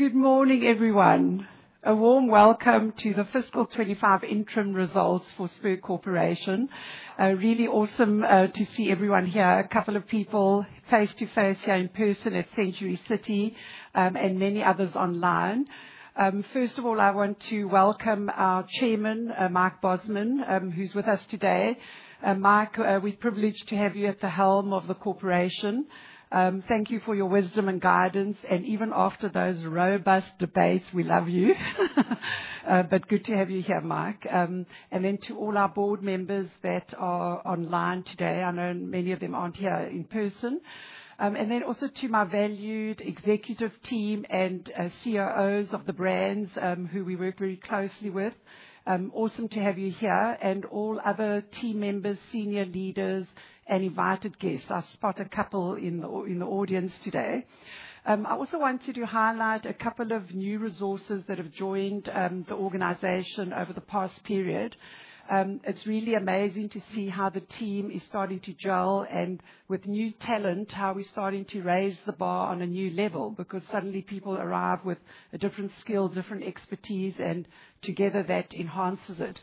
Good morning, everyone. A warm welcome to the Fiscal 2025 Interim Results for Spur Corporation. Really awesome to see everyone here, a couple of people face to face here in person at Century City, and many others online. First of all, I want to welcome our Chairman, Mark Bosman, who's with us today. Mark, we're privileged to have you at the helm of the corporation. Thank you for your wisdom and guidance, and even after those robust debates, we love you. Good to have you here, Mark. To all our board members that are online today, I know many of them aren't here in person. Also to my valued executive team and COOs of the brands, who we work very closely with. Awesome to have you here, and all other team members, senior leaders, and invited guests. I spot a couple in the audience today. I also wanted to highlight a couple of new resources that have joined the organization over the past period. It's really amazing to see how the team is starting to gel, and with new talent, how we're starting to raise the bar on a new level, because suddenly people arrive with a different skill, different expertise, and together that enhances it.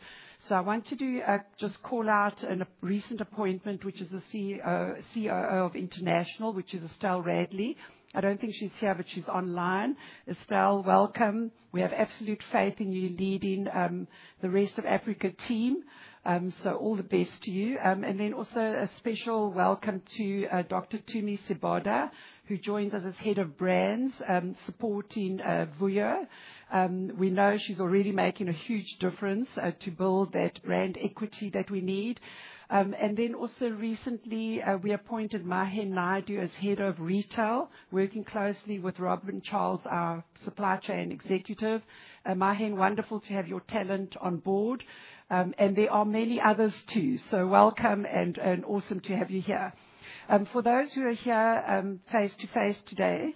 I want to just call out a recent appointment, which is the CEO, COO of International, which is Estelle Radley. I don't think she's here, but she's online. Estelle, welcome. We have absolute faith in you leading the rest of Africa team. All the best to you. Also, a special welcome to Dr. Tumi Seboda, who joins us as head of brands, supporting Vuya. We know she's already making a huge difference, to build that brand equity that we need. Then also recently, we appointed Mahen Naidu as Head of Retail, working closely with Robin Charles, our Supply Chain Executive. Mahen, wonderful to have your talent on board. There are many others too. Welcome, and awesome to have you here. For those who are here face to face today,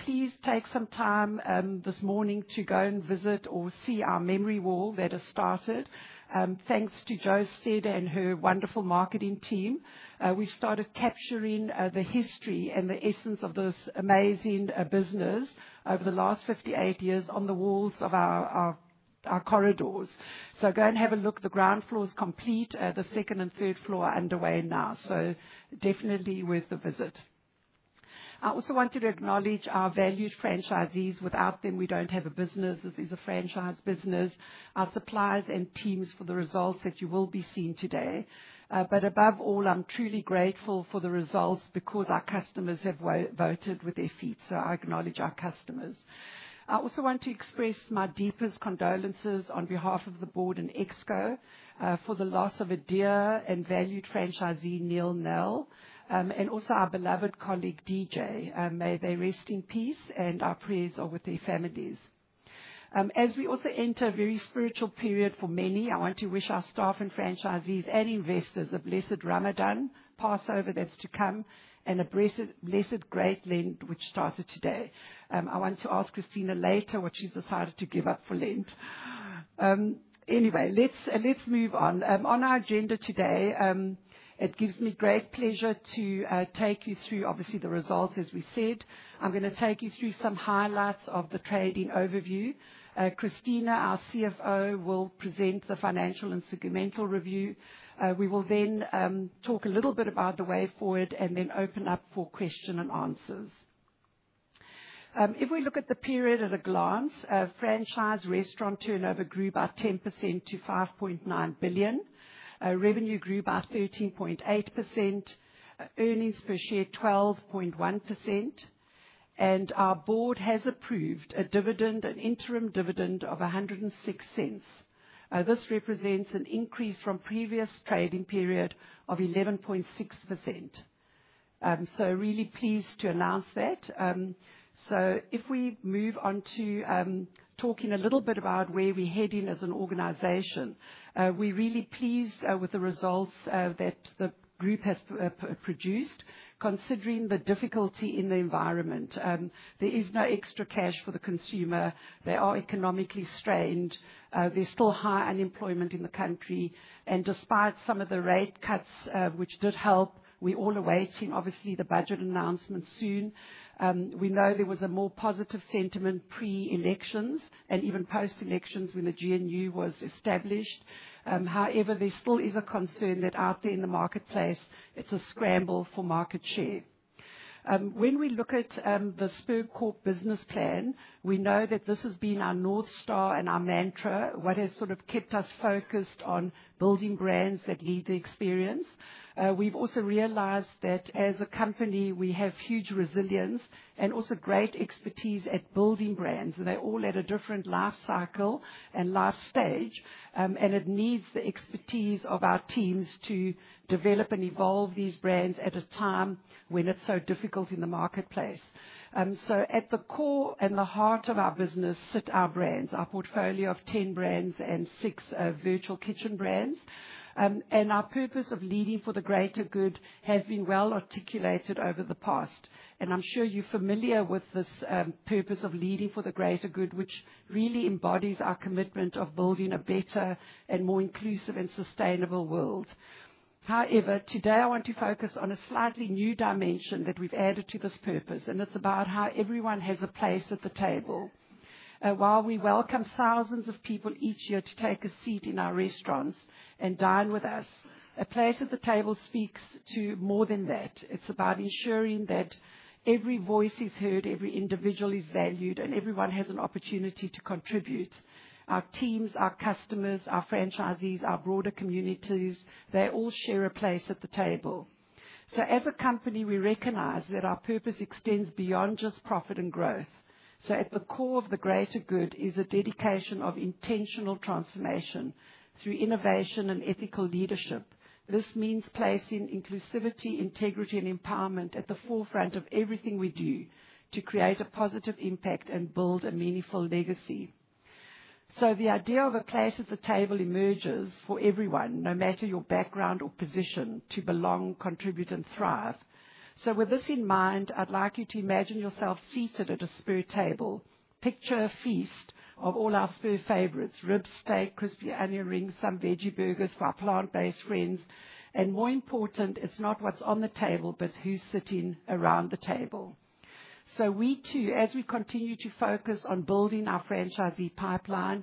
please take some time this morning to go and visit or see our memory wall that has started, thanks to Jo Steed and her wonderful marketing team. We've started capturing the history and the essence of this amazing business over the last 58 years on the walls of our corridors. Go and have a look. The ground floor's complete. The second and third floor are underway now, definitely worth a visit. I also wanted to acknowledge our valued franchisees. Without them, we don't have a business. This is a franchise business. Our suppliers and teams for the results that you will be seeing today. Above all, I'm truly grateful for the results because our customers have voted with their feet. I acknowledge our customers. I also want to express my deepest condolences on behalf of the board and Exco, for the loss of a dear and valued franchisee, Neil Nell, and also our beloved colleague, DJ. May they rest in peace, and our prayers are with their families. As we also enter a very spiritual period for many, I want to wish our staff and franchisees and investors a blessed Ramadan, Passover that's to come, and a blessed, blessed great Lent, which started today. I want to ask Christina later what she's decided to give up for Lent. Anyway, let's move on. On our agenda today, it gives me great pleasure to take you through, obviously, the results, as we said. I'm gonna take you through some highlights of the trading overview. Christina, our CFO, will present the financial and segmental review. We will then talk a little bit about the way forward and then open up for questions and answers. If we look at the period at a glance, franchise restaurant turnover grew by 10% to 5.9 billion. Revenue grew by 13.8%. Earnings per share, 12.1%. Our board has approved a dividend, an interim dividend of 1.06. This represents an increase from the previous trading period of 11.6%. Really pleased to announce that. If we move onto talking a little bit about where we're heading as an organization, we're really pleased with the results that the group has produced, considering the difficulty in the environment. There is no extra cash for the consumer. They are economically strained. There's still high unemployment in the country. Despite some of the rate cuts, which did help, we're all awaiting, obviously, the budget announcement soon. We know there was a more positive sentiment pre-elections and even post-elections when the GNU was established. However, there still is a concern that out there in the marketplace, it's a scramble for market share. When we look at the Spur Corporation business plan, we know that this has been our north star and our mantra, what has sort of kept us focused on building brands that lead the experience. We've also realized that as a company, we have huge resilience and also great expertise at building brands. They all had a different life cycle and life stage, and it needs the expertise of our teams to develop and evolve these brands at a time when it's so difficult in the marketplace. At the core and the heart of our business sit our brands, our portfolio of 10 brands and 6 virtual kitchen brands. Our purpose of leading for the greater good has been well articulated over the past. I'm sure you're familiar with this purpose of leading for the greater good, which really embodies our commitment of building a better and more inclusive and sustainable world. However, today I want to focus on a slightly new dimension that we've added to this purpose, and it's about how everyone has a place at the table. While we welcome thousands of people each year to take a seat in our restaurants and dine with us, a place at the table speaks to more than that. It's about ensuring that every voice is heard, every individual is valued, and everyone has an opportunity to contribute. Our teams, our customers, our franchisees, our broader communities, they all share a place at the table. As a company, we recognize that our purpose extends beyond just profit and growth. At the core of the greater good is a dedication of intentional transformation through innovation and ethical leadership. This means placing inclusivity, integrity, and empowerment at the forefront of everything we do to create a positive impact and build a meaningful legacy. The idea of a place at the table emerges for everyone, no matter your background or position, to belong, contribute, and thrive. With this in mind, I'd like you to imagine yourself seated at a Spur table. Picture a feast of all our Spur favorites: rib steak, crispy onion rings, some veggie burgers for our plant-based friends. More important, it's not what's on the table, but who's sitting around the table. We too, as we continue to focus on building our franchisee pipeline,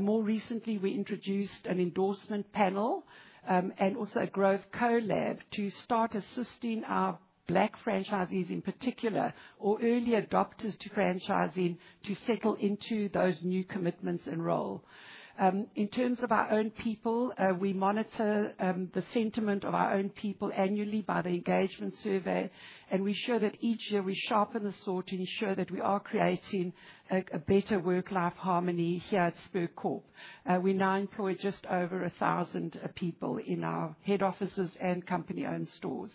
more recently introduced an endorsement panel, and also a growth collab to start assisting our black franchisees in particular, or early adopters to franchising, to settle into those new commitments and role. In terms of our own people, we monitor the sentiment of our own people annually by the engagement survey, and we show that each year we sharpen the sword to ensure that we are creating a better work-life harmony here at Spur Corporation. We now employ just over 1,000 people in our head offices and company-owned stores.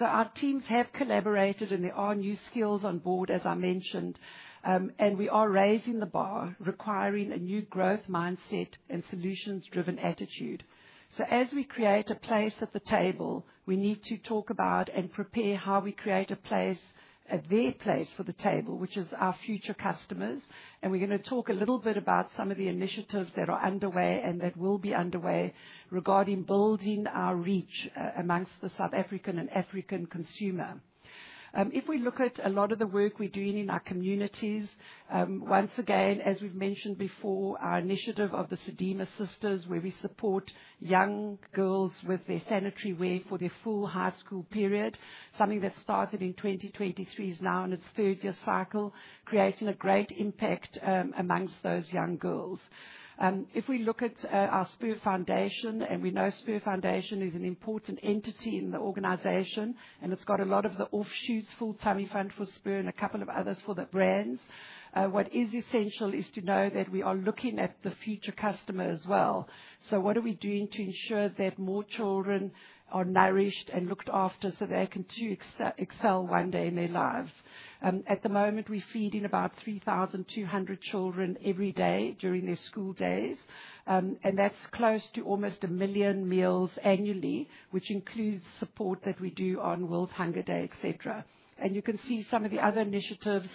Our teams have collaborated, and there are new skills on board, as I mentioned. We are raising the bar, requiring a new growth mindset and solutions-driven attitude. As we create a place at the table, we need to talk about and prepare how we create a place, a their place for the table, which is our future customers. We're gonna talk a little bit about some of the initiatives that are underway and that will be underway regarding building our reach, amongst the South African and African consumer. If we look at a lot of the work we're doing in our communities, once again, as we've mentioned before, our initiative of the Sadima Sisters, where we support young girls with their sanitary wear for their full high school period, something that started in 2023 is now in its third year cycle, creating a great impact, amongst those young girls. If we look at our Spur Foundation, and we know Spur Foundation is an important entity in the organization, and it's got a lot of the offshoots, Full Time Fund for Spur and a couple of others for the brands. What is essential is to know that we are looking at the future customer as well. What are we doing to ensure that more children are nourished and looked after so they can too excel one day in their lives? At the moment, we're feeding about 3,200 children every day during their school days. That's close to almost a million meals annually, which includes support that we do on World Hunger Day, etc. You can see some of the other initiatives.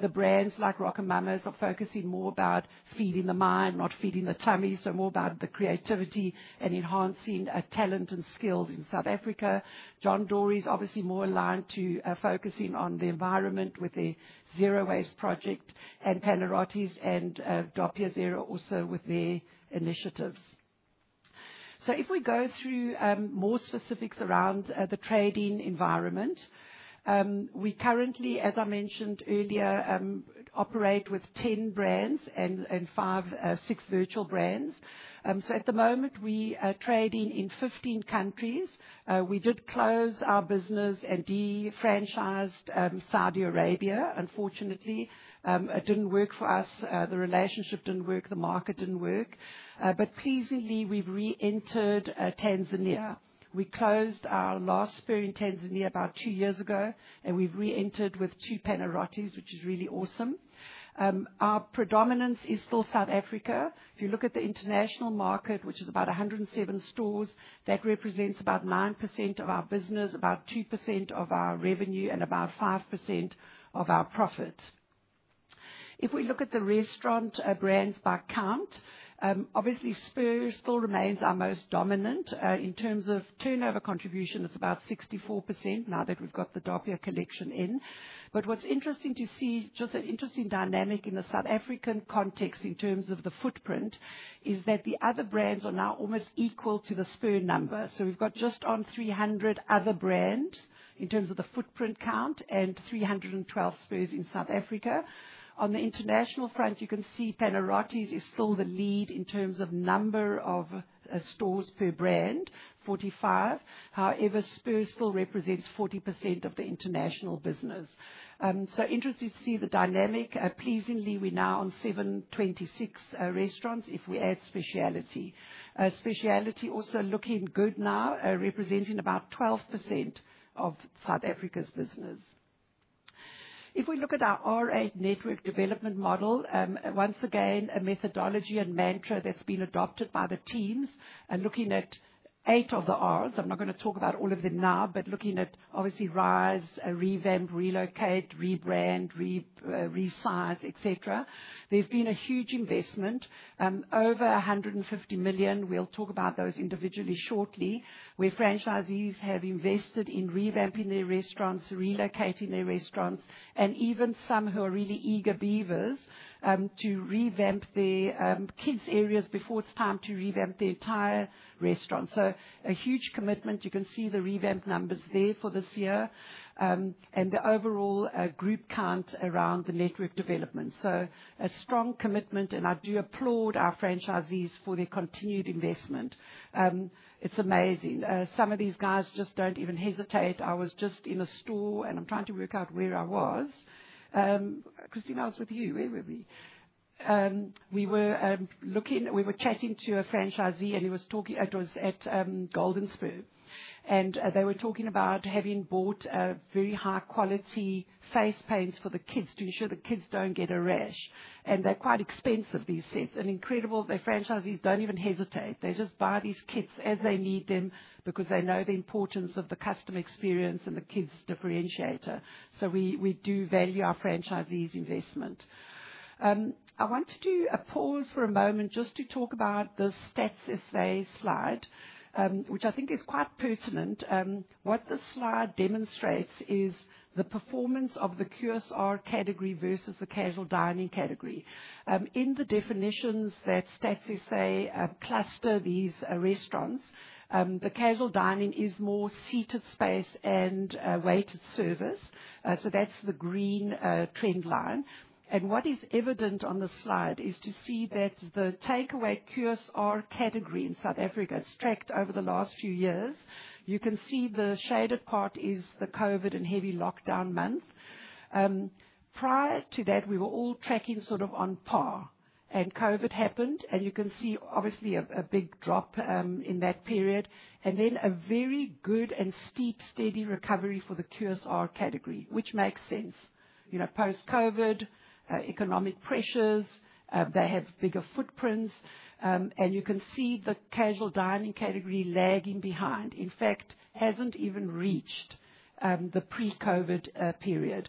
The brands like RocoMamas are focusing more about feeding the mind, not feeding the tummy, so more about the creativity and enhancing talent and skills in South Africa. John Dory's obviously more aligned to focusing on the environment with the Zero Waste Project, and Panarottis and Doppio Zero also with their initiatives. If we go through more specifics around the trading environment, we currently, as I mentioned earlier, operate with 10 brands and 5-6 virtual brands. At the moment, we are trading in 15 countries. We did close our business and de-franchised Saudi Arabia. Unfortunately, it didn't work for us. The relationship didn't work. The market didn't work. Pleasingly, we've re-entered Tanzania. We closed our last Spur in Tanzania about two years ago, and we've re-entered with two Panarottis, which is really awesome. Our predominance is still South Africa. If you look at the international market, which is about 107 stores, that represents about 9% of our business, about 2% of our revenue, and about 5% of our profit. If we look at the restaurant brands by count, obviously, Spur still remains our most dominant. In terms of turnover contribution, it's about 64% now that we've got the Doppio collection in. What's interesting to see, just an interesting dynamic in the South African context in terms of the footprint, is that the other brands are now almost equal to the Spur number. We've got just under 300 other brands in terms of the footprint count and 312 Spurs in South Africa. On the international front, you can see Panarottis is still the lead in terms of number of stores per brand, 45. However, Spur still represents 40% of the international business. Interesting to see the dynamic. Pleasingly, we're now on 726 restaurants if we add speciality. Speciality also looking good now, representing about 12% of South Africa's business. If we look at our ZAR 8 network development model, once again, a methodology and mantra that's been adopted by the teams, looking at 8 of the Rs. I'm not gonna talk about all of them now, but looking at obviously rise, revamp, relocate, rebrand, resize, etc. There's been a huge investment, over 150 million. We'll talk about those individually shortly, where franchisees have invested in revamping their restaurants, relocating their restaurants, and even some who are really eager beavers, to revamp their kids' areas before it's time to revamp their entire restaurant. A huge commitment. You can see the revamp numbers there for this year, and the overall group count around the network development. A strong commitment, and I do applaud our franchisees for their continued investment. It's amazing. Some of these guys just don't even hesitate. I was just in a store, and I'm trying to work out where I was. Christina, I was with you. Where were we? We were looking, we were chatting to a franchisee, and he was talking, it was at Golden Spur. They were talking about having bought very high-quality face paints for the kids to ensure the kids don't get a rash. They're quite expensive, these sets. Incredible, the franchisees don't even hesitate. They just buy these kits as they need them because they know the importance of the customer experience and the kids' differentiator. We do value our franchisees' investment. I want to pause for a moment just to talk about the stats, if they slide, which I think is quite pertinent. What this slide demonstrates is the performance of the QSR category versus the casual dining category. In the definitions that Stats SA clusters these restaurants, the casual dining is more seated space and weighted service. That's the green trend line. What is evident on the slide is to see that the takeaway QSR category in South Africa has tracked over the last few years. You can see the shaded part is the COVID and heavy lockdown month. Prior to that, we were all tracking sort of on par. COVID happened, and you can see obviously a big drop in that period. Then a very good and steep, steady recovery for the QSR category, which makes sense. You know, post-COVID, economic pressures, they have bigger footprints. You can see the casual dining category lagging behind. In fact, it hasn't even reached the pre-COVID period.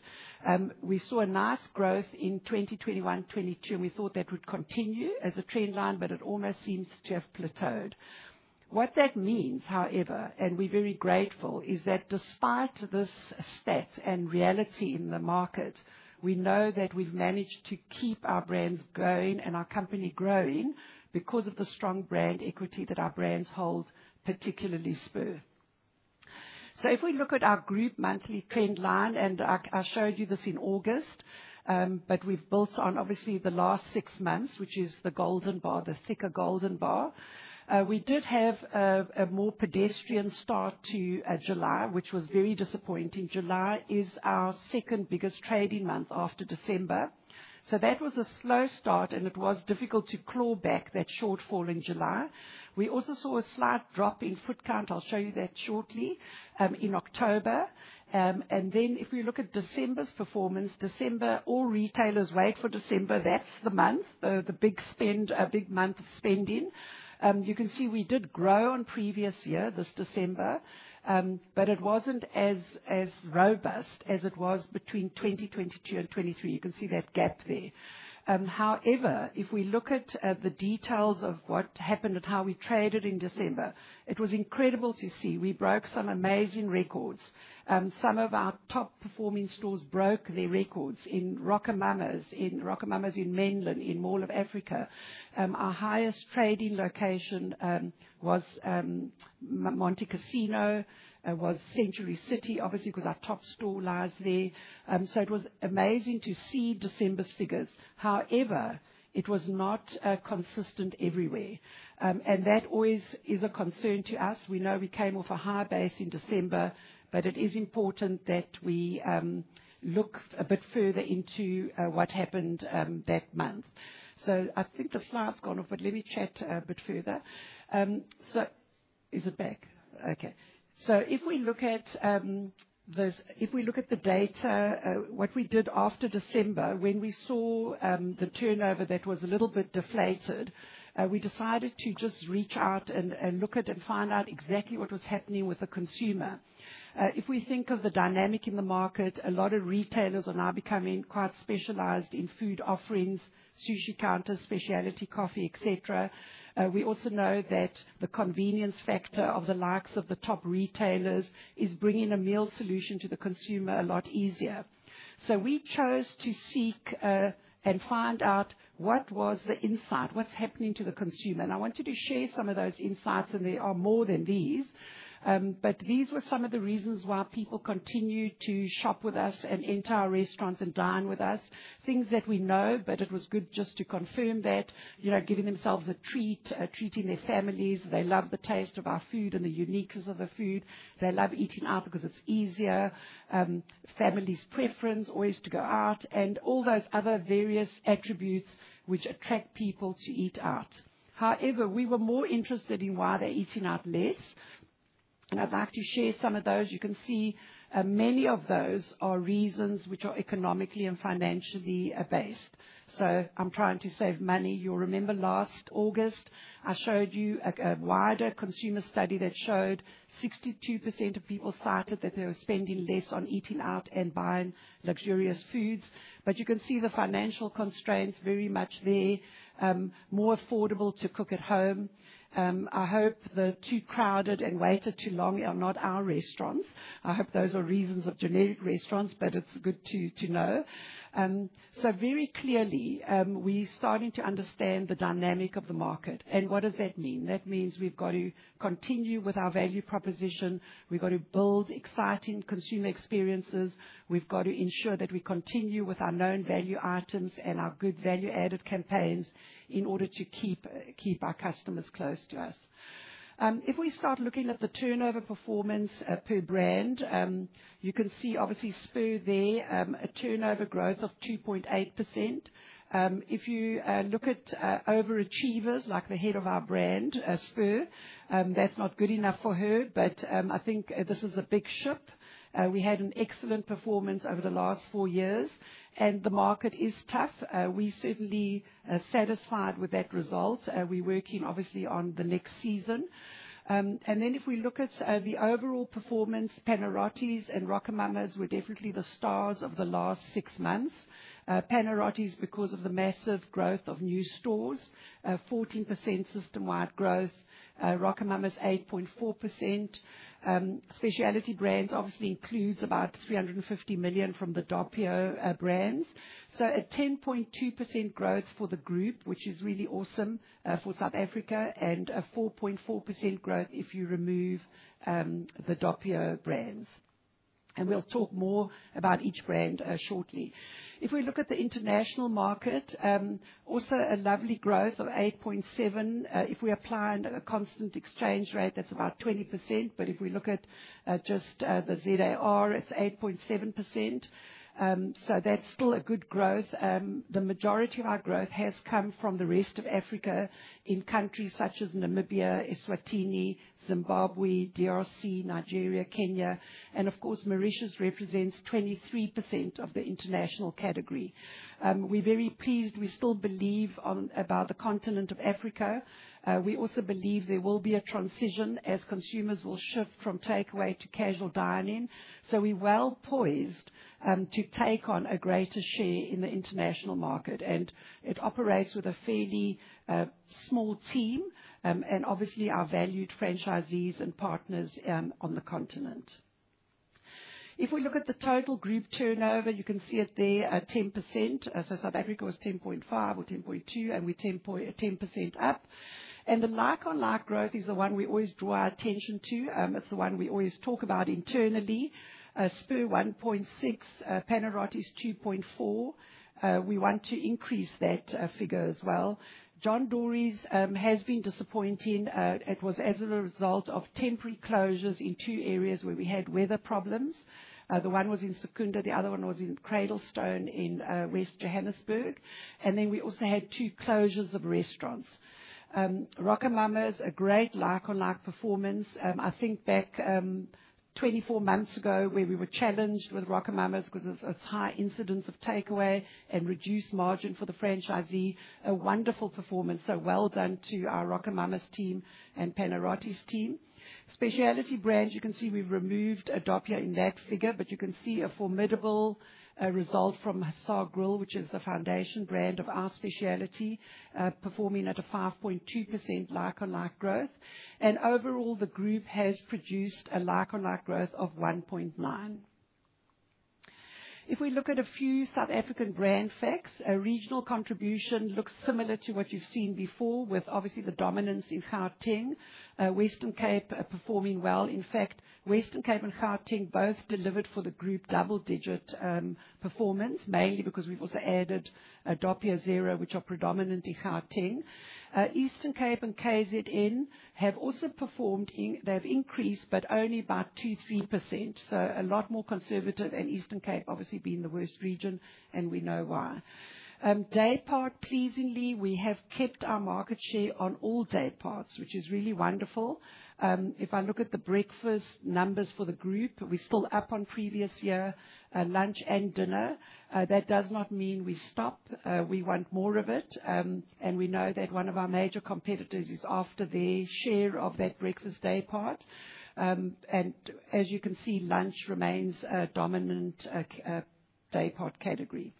We saw a nice growth in 2021, 2022, and we thought that would continue as a trend line, but it almost seems to have plateaued. What that means, however, and we're very grateful, is that despite this stat and reality in the market, we know that we've managed to keep our brands going and our company growing because of the strong brand equity that our brands hold, particularly Spur. If we look at our group monthly trend line, and I've showed you this in August, but we've built on obviously the last six months, which is the golden bar, the thicker golden bar. We did have a more pedestrian start to July, which was very disappointing. July is our second biggest trading month after December. That was a slow start, and it was difficult to claw back that shortfall in July. We also saw a slight drop in footcount. I'll show you that shortly, in October. If we look at December's performance, December, all retailers wait for December. That's the month, the big spend, big month of spending. You can see we did grow in previous year, this December, but it wasn't as robust as it was between 2022 and 2023. You can see that gap there. However, if we look at the details of what happened and how we traded in December, it was incredible to see. We broke some amazing records. Some of our top-performing stores broke their records in RocoMamas, in RocoMamas in Menlyn, in Mall of Africa. Our highest trading location was Monti Casino, was Century City, obviously, because our top store lies there. It was amazing to see December's figures. However, it was not consistent everywhere, and that always is a concern to us. We know we came off a high base in December, but it is important that we look a bit further into what happened that month. I think the slide's gone off, but let me check a bit further. Is it back? Okay. If we look at the data, what we did after December, when we saw the turnover that was a little bit deflated, we decided to just reach out and look at and find out exactly what was happening with the consumer. If we think of the dynamic in the market, a lot of retailers are now becoming quite specialized in food offerings, sushi counters, specialty coffee, etc. We also know that the convenience factor of the likes of the top retailers is bringing a meal solution to the consumer a lot easier. We chose to seek and find out what was the insight, what's happening to the consumer. I wanted to share some of those insights, and there are more than these. These were some of the reasons why people continue to shop with us and enter our restaurants and dine with us, things that we know, but it was good just to confirm that, you know, giving themselves a treat, treating their families. They love the taste of our food and the uniqueness of the food. They love eating out because it's easier. Family's preference always to go out and all those other various attributes which attract people to eat out. However, we were more interested in why they're eating out less. I'd like to share some of those. You can see, many of those are reasons which are economically and financially based. I'm trying to save money. You'll remember last August, I showed you a wider consumer study that showed 62% of people cited that they were spending less on eating out and buying luxurious foods. But you can see the financial constraints very much there, more affordable to cook at home. I hope the too crowded and waited too long are not our restaurants. I hope those are reasons of generic restaurants, but it's good to, to know. Very clearly, we're starting to understand the dynamic of the market. What does that mean? That means we've got to continue with our value proposition. We've got to build exciting consumer experiences. We've got to ensure that we continue with our known value items and our good value-added campaigns in order to keep, keep our customers close to us. If we start looking at the turnover performance, per brand, you can see obviously Spur there, a turnover growth of 2.8%. If you look at overachievers like the head of our brand, Spur, that's not good enough for her. I think this is a big ship. We had an excellent performance over the last four years, and the market is tough. We're certainly satisfied with that result. We're working obviously on the next season. If we look at the overall performance, Panarottis and RocoMamas were definitely the stars of the last six months. Panarottis, because of the massive growth of new stores, 14% system-wide growth. RocoMamas, 8.4%. Specialty brands obviously includes about 350 million from the Doppio brands. So a 10.2% growth for the group, which is really awesome for South Africa, and a 4.4% growth if you remove the Doppio brands. We'll talk more about each brand shortly. If we look at the international market, also a lovely growth of 8.7%. If we apply a constant exchange rate, that's about 20%. If we look at just the ZAR, it's 8.7%. That's still a good growth. The majority of our growth has come from the rest of Africa in countries such as Namibia, Eswatini, Zimbabwe, DRC, Nigeria, Kenya. Of course, Mauritius represents 23% of the international category. We're very pleased. We still believe on about the continent of Africa. We also believe there will be a transition as consumers will shift from takeaway to casual dining. We're well poised to take on a greater share in the international market. It operates with a fairly small team, and obviously our valued franchisees and partners on the continent. If we look at the total group turnover, you can see it there, 10%. South Africa was 10.5 or 10.2, and we're 10.10% up. The like-for-like growth is the one we always draw our attention to. It's the one we always talk about internally. Spur 1.6, Panarottis 2.4. We want to increase that figure as well. John Dory's has been disappointing. It was as a result of temporary closures in two areas where we had weather problems. The one was in Secunda, the other one was in Cradlestone in West Johannesburg. We also had two closures of restaurants. RocoMamas, a great like-for-like performance. I think back, 24 months ago where we were challenged with RocoMamas because of a high incidence of takeaway and reduced margin for the franchisee. A wonderful performance. So well done to our RocoMamas team and Panarottis team. Specialty brands, you can see we've removed Doppio Zero in that figure, but you can see a formidable result from Hussar Grill, which is the foundation brand of our specialty, performing at a 5.2% like-for-like growth. Overall, the group has produced a like-for-like growth of 1.9%. If we look at a few South African brand facts, a regional contribution looks similar to what you've seen before with obviously the dominance in Gauteng. Western Cape, performing well. In fact, Western Cape and Gauteng both delivered for the group double-digit performance, mainly because we've also added Doppio Zero, which are predominant in Gauteng. Eastern Cape and KZN have also performed in they've increased, but only about 2-3%. A lot more conservative. And Eastern Cape obviously being the worst region, and we know why. Day part, pleasingly, we have kept our market share on all day parts, which is really wonderful. If I look at the breakfast numbers for the group, we're still up on previous year, lunch and dinner. That does not mean we stop. We want more of it. We know that one of our major competitors is after their share of that breakfast day part. As you can see, lunch remains the dominant day part category.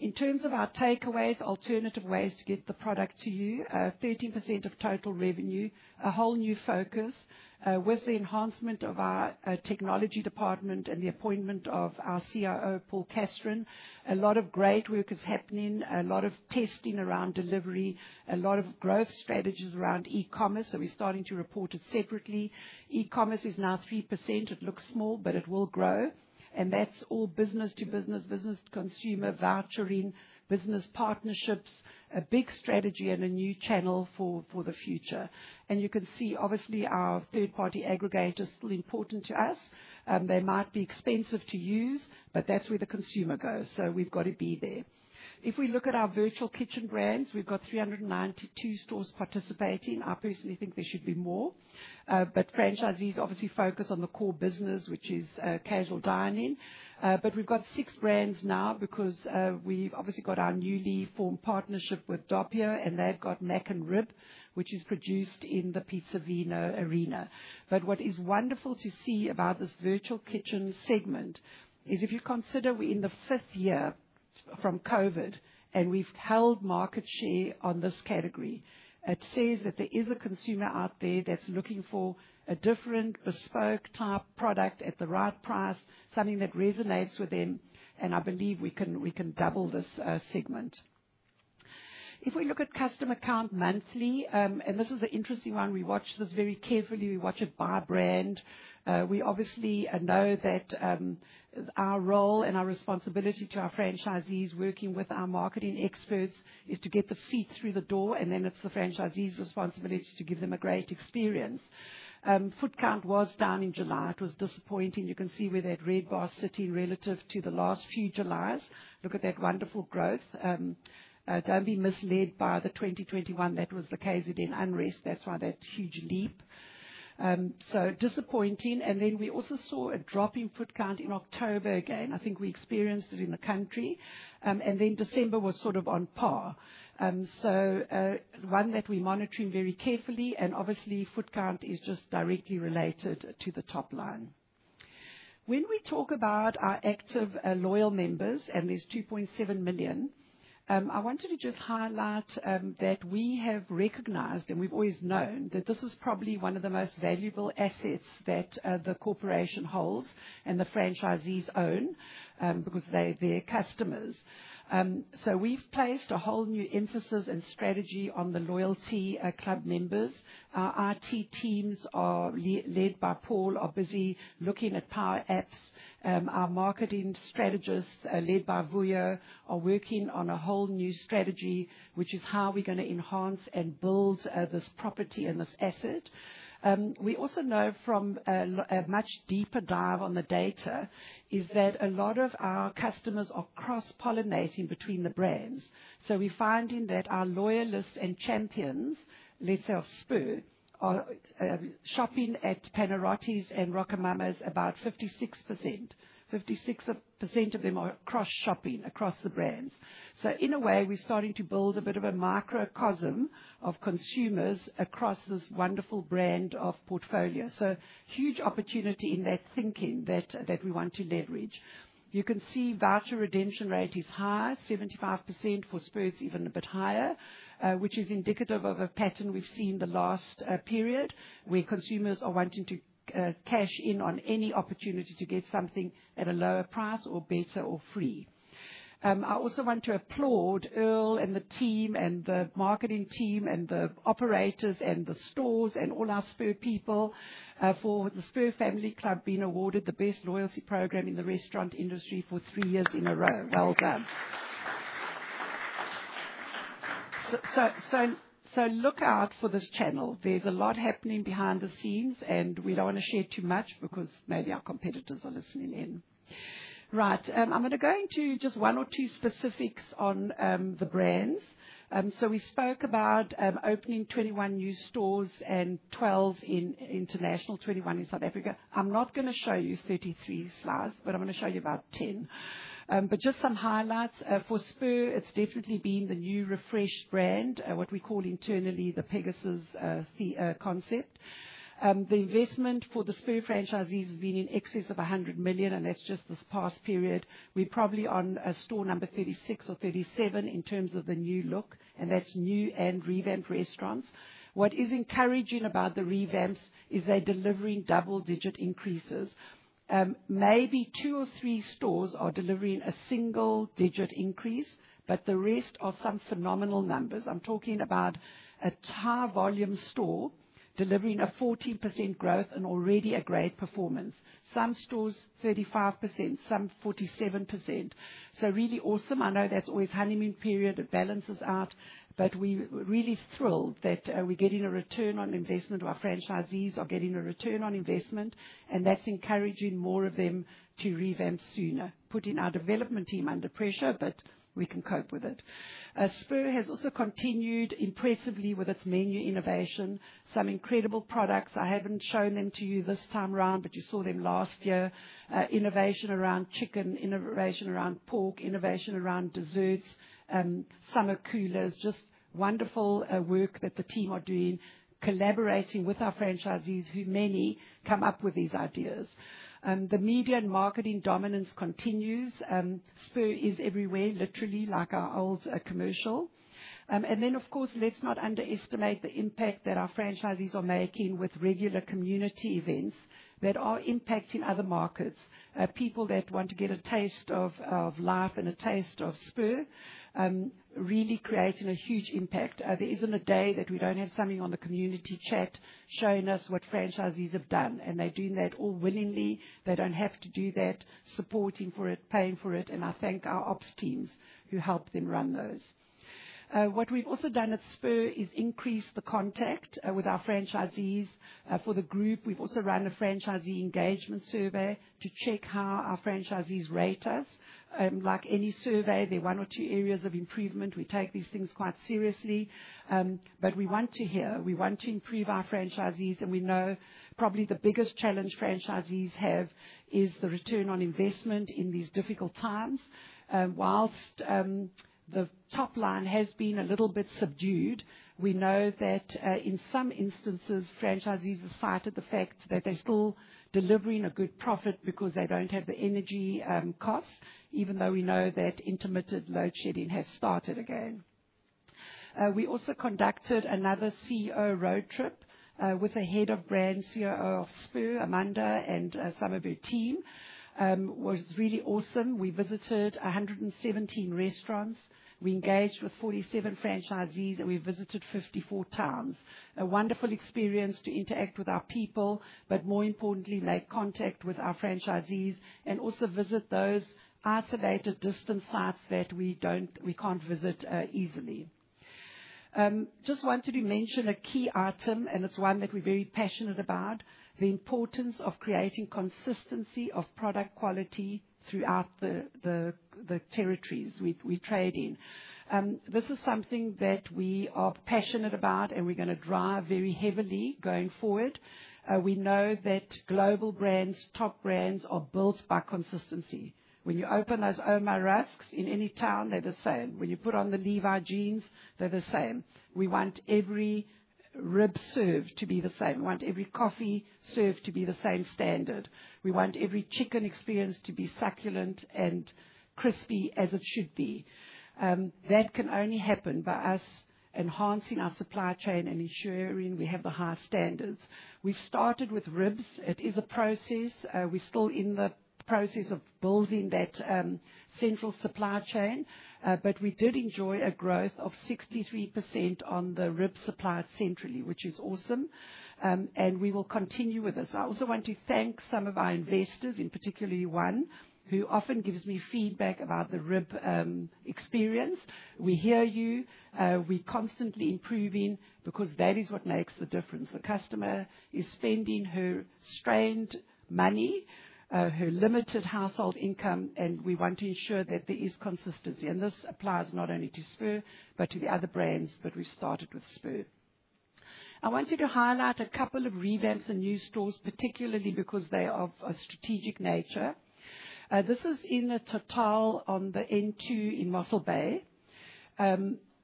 In terms of our takeaways, alternative ways to get the product to you, 13% of total revenue, a whole new focus, with the enhancement of our technology department and the appointment of our CIO, Paul Castrin. A lot of great work is happening, a lot of testing around delivery, a lot of growth strategies around e-commerce. We are starting to report it separately. E-commerce is now 3%. It looks small, but it will grow. That is all business to business, business to consumer, vouchering, business partnerships, a big strategy and a new channel for the future. You can see obviously our third-party aggregator is still important to us. They might be expensive to use, but that's where the consumer goes. We have to be there. If we look at our virtual kitchen brands, we have 392 stores participating. I personally think there should be more, but franchisees obviously focus on the core business, which is casual dining. We have six brands now because we have our newly formed partnership with Doppio, and they have Mac and Rib, which is produced in the Pizzavino arena. What is wonderful to see about this virtual kitchen segment is if you consider we are in the fifth year from COVID, and we have held market share on this category. It says that there is a consumer out there who is looking for a different bespoke type product at the right price, something that resonates with them. I believe we can double this segment. If we look at customer count monthly, and this is an interesting one. We watch this very carefully. We watch it by brand. We obviously know that our role and our responsibility to our franchisees working with our marketing experts is to get the feet through the door, and then it's the franchisee's responsibility to give them a great experience. Footcount was down in July. It was disappointing. You can see where that red bar is sitting relative to the last few July's. Look at that wonderful growth. Don't be misled by the 2021. That was the KZN unrest. That's why that huge leap. Disappointing. We also saw a drop in footcount in October again. I think we experienced it in the country. December was sort of on par. One that we're monitoring very carefully. Obviously, footcount is just directly related to the top line. When we talk about our active, loyal members, and there's 2.7 million, I wanted to just highlight that we have recognized, and we've always known that this is probably one of the most valuable assets that the corporation holds and the franchisees own, because they're their customers. We have placed a whole new emphasis and strategy on the loyalty club members. Our IT teams, led by Paul, are busy looking at Power Apps. Our marketing strategists, led by Vuo, are working on a whole new strategy, which is how we're going to enhance and build this property and this asset. We also know from a much deeper dive on the data that a lot of our customers are cross-pollinating between the brands. We're finding that our loyalists and champions, let's say of Spur, are shopping at Panarottis and RocoMamas about 56%. 56% of them are cross-shopping across the brands. In a way, we're starting to build a bit of a microcosm of consumers across this wonderful brand portfolio. There is a huge opportunity in that thinking that we want to leverage. You can see voucher redemption rate is high, 75% for Spur, even a bit higher, which is indicative of a pattern we've seen the last period where consumers are wanting to cash in on any opportunity to get something at a lower price or better or free. I also want to applaud Earl and the team and the marketing team and the operators and the stores and all our Spur people, for the Spur Family Club being awarded the best loyalty program in the restaurant industry for three years in a row. Well done. Look out for this channel. There's a lot happening behind the scenes, and we don't want to share too much because maybe our competitors are listening in. Right. I'm going to go into just one or two specifics on the brands. We spoke about opening 21 new stores and 12 in international, 21 in South Africa. I'm not going to show you 33 slides, but I'm going to show you about 10. Just some highlights. For Spur, it's definitely been the new refreshed brand, what we call internally the Pegasus, the concept. The investment for the Spur franchisees has been in excess of 100 million, and that's just this past period. We're probably on store number 36 or 37 in terms of the new look, and that's new and revamped restaurants. What is encouraging about the revamps is they're delivering double-digit increases. Maybe two or three stores are delivering a single-digit increase, but the rest are some phenomenal numbers. I'm talking about a high-volume store delivering a 14% growth and already a great performance. Some stores 35%, some 47%. Really awesome. I know that's always honeymoon period. It balances out. We are really thrilled that we're getting a return on investment. Our franchisees are getting a return on investment, and that's encouraging more of them to revamp sooner, putting our development team under pressure, but we can cope with it. Spur has also continued impressively with its menu innovation. Some incredible products. I haven't shown them to you this time around, but you saw them last year. Innovation around chicken, innovation around pork, innovation around desserts, summer coolers. Just wonderful work that the team are doing, collaborating with our franchisees who many come up with these ideas. The media and marketing dominance continues. Spur is everywhere, literally like our old commercial. Of course, let's not underestimate the impact that our franchisees are making with regular community events that are impacting other markets. People that want to get a taste of life and a taste of Spur, really creating a huge impact. There isn't a day that we don't have something on the community chat showing us what franchisees have done. And they're doing that all willingly. They don't have to do that, supporting for it, paying for it. I thank our ops teams who help them run those. What we've also done at Spur is increase the contact with our franchisees for the group. We've also run a franchisee engagement survey to check how our franchisees rate us. Like any survey, there are one or two areas of improvement. We take these things quite seriously. We want to hear. We want to improve our franchisees. We know probably the biggest challenge franchisees have is the return on investment in these difficult times. Whilst the top line has been a little bit subdued, we know that in some instances, franchisees have cited the fact that they're still delivering a good profit because they don't have the energy costs, even though we know that intermittent load shedding has started again. We also conducted another CEO road trip, with the Head of Brand, CIO of Spur, Amanda, and some of her team. Was really awesome. We visited 117 restaurants. We engaged with 47 franchisees, and we visited 54 towns. A wonderful experience to interact with our people, but more importantly, make contact with our franchisees and also visit those isolated distant sites that we don't, we can't visit easily. Just wanted to mention a key item, and it's one that we're very passionate about, the importance of creating consistency of product quality throughout the territories we trade in. This is something that we are passionate about, and we're going to drive very heavily going forward. We know that global brands, top brands are built by consistency. When you open those Omar rusks in any town, they're the same. When you put on the Levi jeans, they're the same. We want every rib served to be the same. We want every coffee served to be the same standard. We want every chicken experience to be succulent and crispy as it should be. That can only happen by us enhancing our supply chain and ensuring we have the highest standards. We've started with ribs. It is a process. We're still in the process of building that central supply chain, but we did enjoy a growth of 63% on the rib supplied centrally, which is awesome. We will continue with this. I also want to thank some of our investors, in particular one, who often gives me feedback about the rib experience. We hear you. We're constantly improving because that is what makes the difference. The customer is spending her strained money, her limited household income, and we want to ensure that there is consistency. This applies not only to Spur, but to the other brands, but we've started with Spur. I wanted to highlight a couple of revamps and new stores, particularly because they are of a strategic nature. This is in a TotalEnergies on the N2 in Mossel Bay.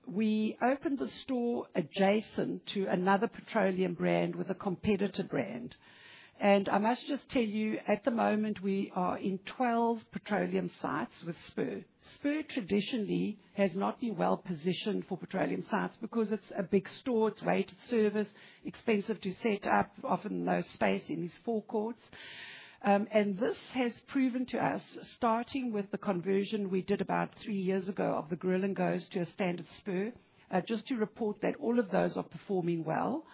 We opened the store adjacent to another petroleum brand with a competitor brand. I must just tell you, at the moment, we are in 12 petroleum sites with Spur. Spur traditionally has not been well positioned for petroleum sites because it's a big store. It's weighted service, expensive to set up, often no space in these forecourts. This has proven to us, starting with the conversion we did about three years ago of the Grill and Go's to a standard Spur, just to report that all of those are performing well.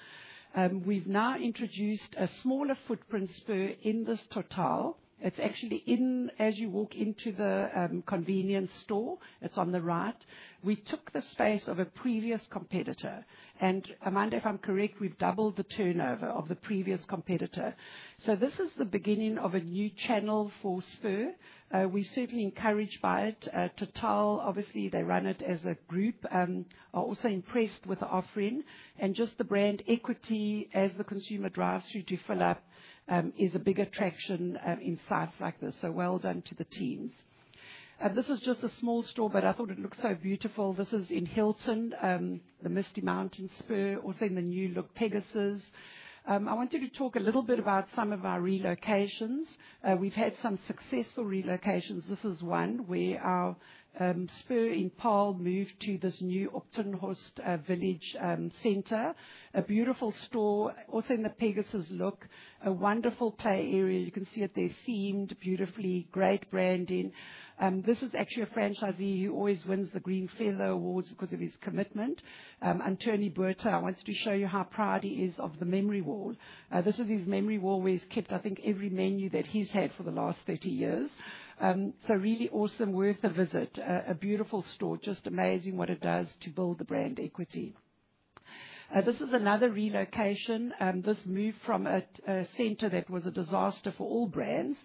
We've now introduced a smaller footprint Spur in this TotalEnergies. It's actually in, as you walk into the convenience store, it's on the right. We took the space of a previous competitor. And Amanda, if I'm correct, we've doubled the turnover of the previous competitor. This is the beginning of a new channel for Spur. We're certainly encouraged by it, TotalEnergies. Obviously, they run it as a group, are also impressed with the offering. Just the brand equity as the consumer drives through to fill up is a big attraction in sites like this. Well done to the teams. This is just a small store, but I thought it looked so beautiful. This is in Hilton, the Misty Mountain Spur, also in the new look Pegasus. I wanted to talk a little bit about some of our relocations. We've had some successful relocations. This is one where our Spur in Paarl moved to this new Upton Horst village center. A beautiful store, also in the Pegasus look, a wonderful play area. You can see it. They're themed beautifully, great branding. This is actually a franchisee who always wins the Green Feather Awards because of his commitment. And Tony Burter, I wanted to show you how proud he is of the memory wall. This is his memory wall where he's kept, I think, every menu that he's had for the last 30 years. So really awesome, worth a visit. A beautiful store, just amazing what it does to build the brand equity. This is another relocation. This moved from a center that was a disaster for all brands,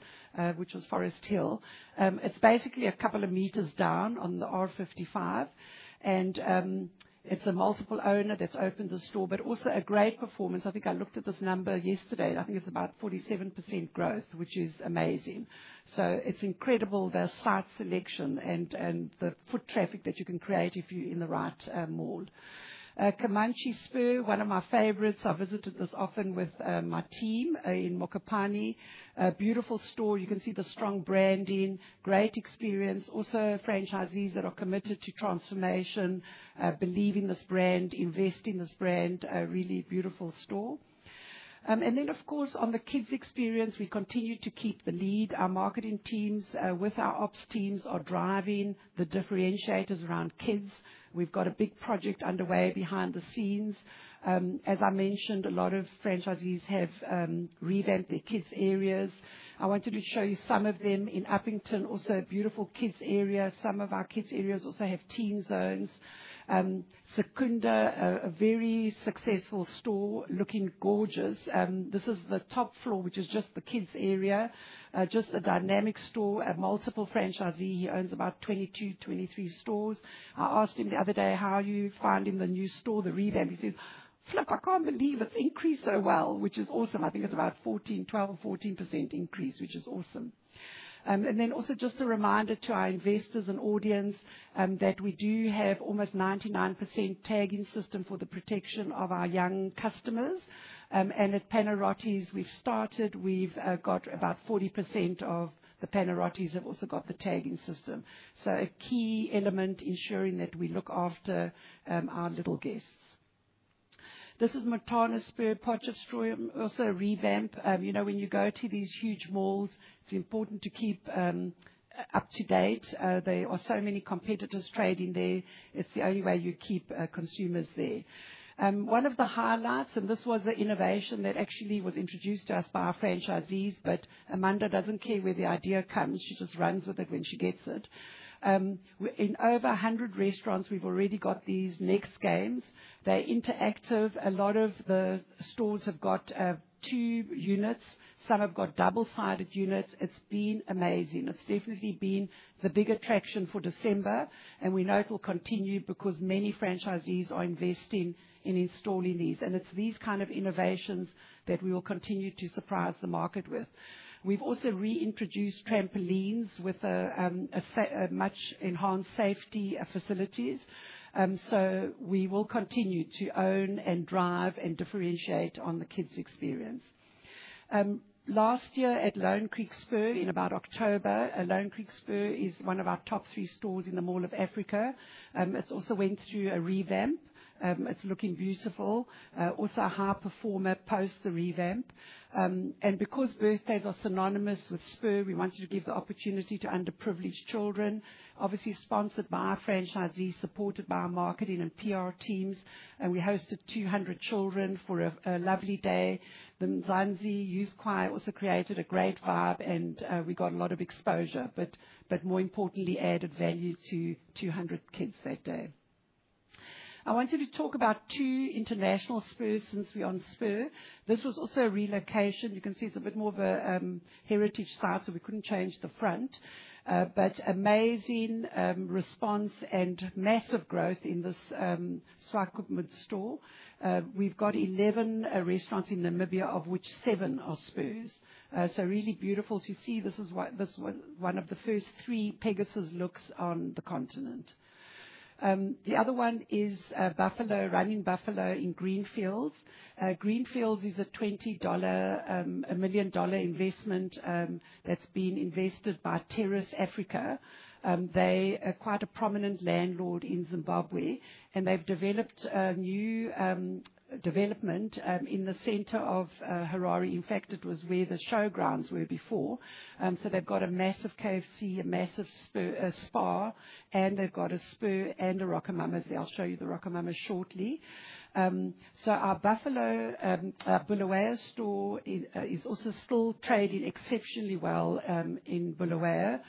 which was Forest Hill. It's basically a couple of meters down on the R55. It's a multiple owner that's opened the store, but also a great performance. I think I looked at this number yesterday. I think it's about 47% growth, which is amazing. It's incredible, the site selection and the foot traffic that you can create if you're in the right mall. Comanche Spur, one of my favorites. I visited this often with my team in Mokopani. Beautiful store. You can see the strong branding, great experience. Also, franchisees that are committed to transformation, believe in this brand, invest in this brand, a really beautiful store. Of course, on the kids' experience, we continue to keep the lead. Our marketing teams, with our ops teams, are driving the differentiators around kids. We've got a big project underway behind the scenes. As I mentioned, a lot of franchisees have revamped their kids' areas. I wanted to show you some of them in Upington, also a beautiful kids' area. Some of our kids' areas also have teen zones. Secunda, a very successful store, looking gorgeous. This is the top floor, which is just the kids' area. Just a dynamic store, a multiple franchisee. He owns about 22-23 stores. I asked him the other day, how are you finding the new store, the revamp? He says, "Flip, I can't believe it's increased so well," which is awesome. I think it's about 12-14% increase, which is awesome. Also just a reminder to our investors and audience, that we do have almost 99% tagging system for the protection of our young customers. At Panarottis, we've started, we've got about 40% of the Panarottis have also got the tagging system. A key element, ensuring that we look after our little guests. This is Matana Spur, Potchefstroom, also a revamp. You know, when you go to these huge malls, it's important to keep up to date. There are so many competitors trading there. It's the only way you keep consumers there. One of the highlights, and this was an innovation that actually was introduced to us by our franchisees, but Amanda doesn't care where the idea comes. She just runs with it when she gets it. In over 100 restaurants, we've already got these next games. They're interactive. A lot of the stores have got two units. Some have got double-sided units. It's been amazing. It's definitely been the big attraction for December, and we know it will continue because many franchisees are investing in installing these. It's these kind of innovations that we will continue to surprise the market with. We've also reintroduced trampolines with a much enhanced safety, facilities. We will continue to own and drive and differentiate on the kids' experience. Last year at Lone Creek Spur in about October, Lone Creek Spur is one of our top three stores in the Mall of Africa. It also went through a revamp. It's looking beautiful. Also a high performer post the revamp. Because birthdays are synonymous with Spur, we wanted to give the opportunity to underprivileged children, obviously sponsored by our franchisees, supported by our marketing and PR teams. We hosted 200 children for a lovely day. The Mzanzi Youth Choir also created a great vibe and we got a lot of exposure, but more importantly, added value to 200 kids that day. I wanted to talk about two international Spurs since we're on Spur. This was also a relocation. You can see it's a bit more of a heritage site, so we couldn't change the front. Amazing response and massive growth in this Swakopmund store. We've got 11 restaurants in Namibia, of which 7 are Spurs, so really beautiful to see. This was one of the first three Pegasus looks on the continent. The other one is Running Buffalo in Greenfields. Greenfields is a $20 million-dollar investment that's been invested by Terrace Africa. They are quite a prominent landlord in Zimbabwe, and they've developed a new development in the center of Harare. In fact, it was where the showgrounds were before. They've got a massive KFC, a massive Spur, a Spar, and they've got a Spur and a RocoMamas. I'll show you the RocoMamas shortly. Our Buffalo, Bulawayo store is also still trading exceptionally well in Bulawayo.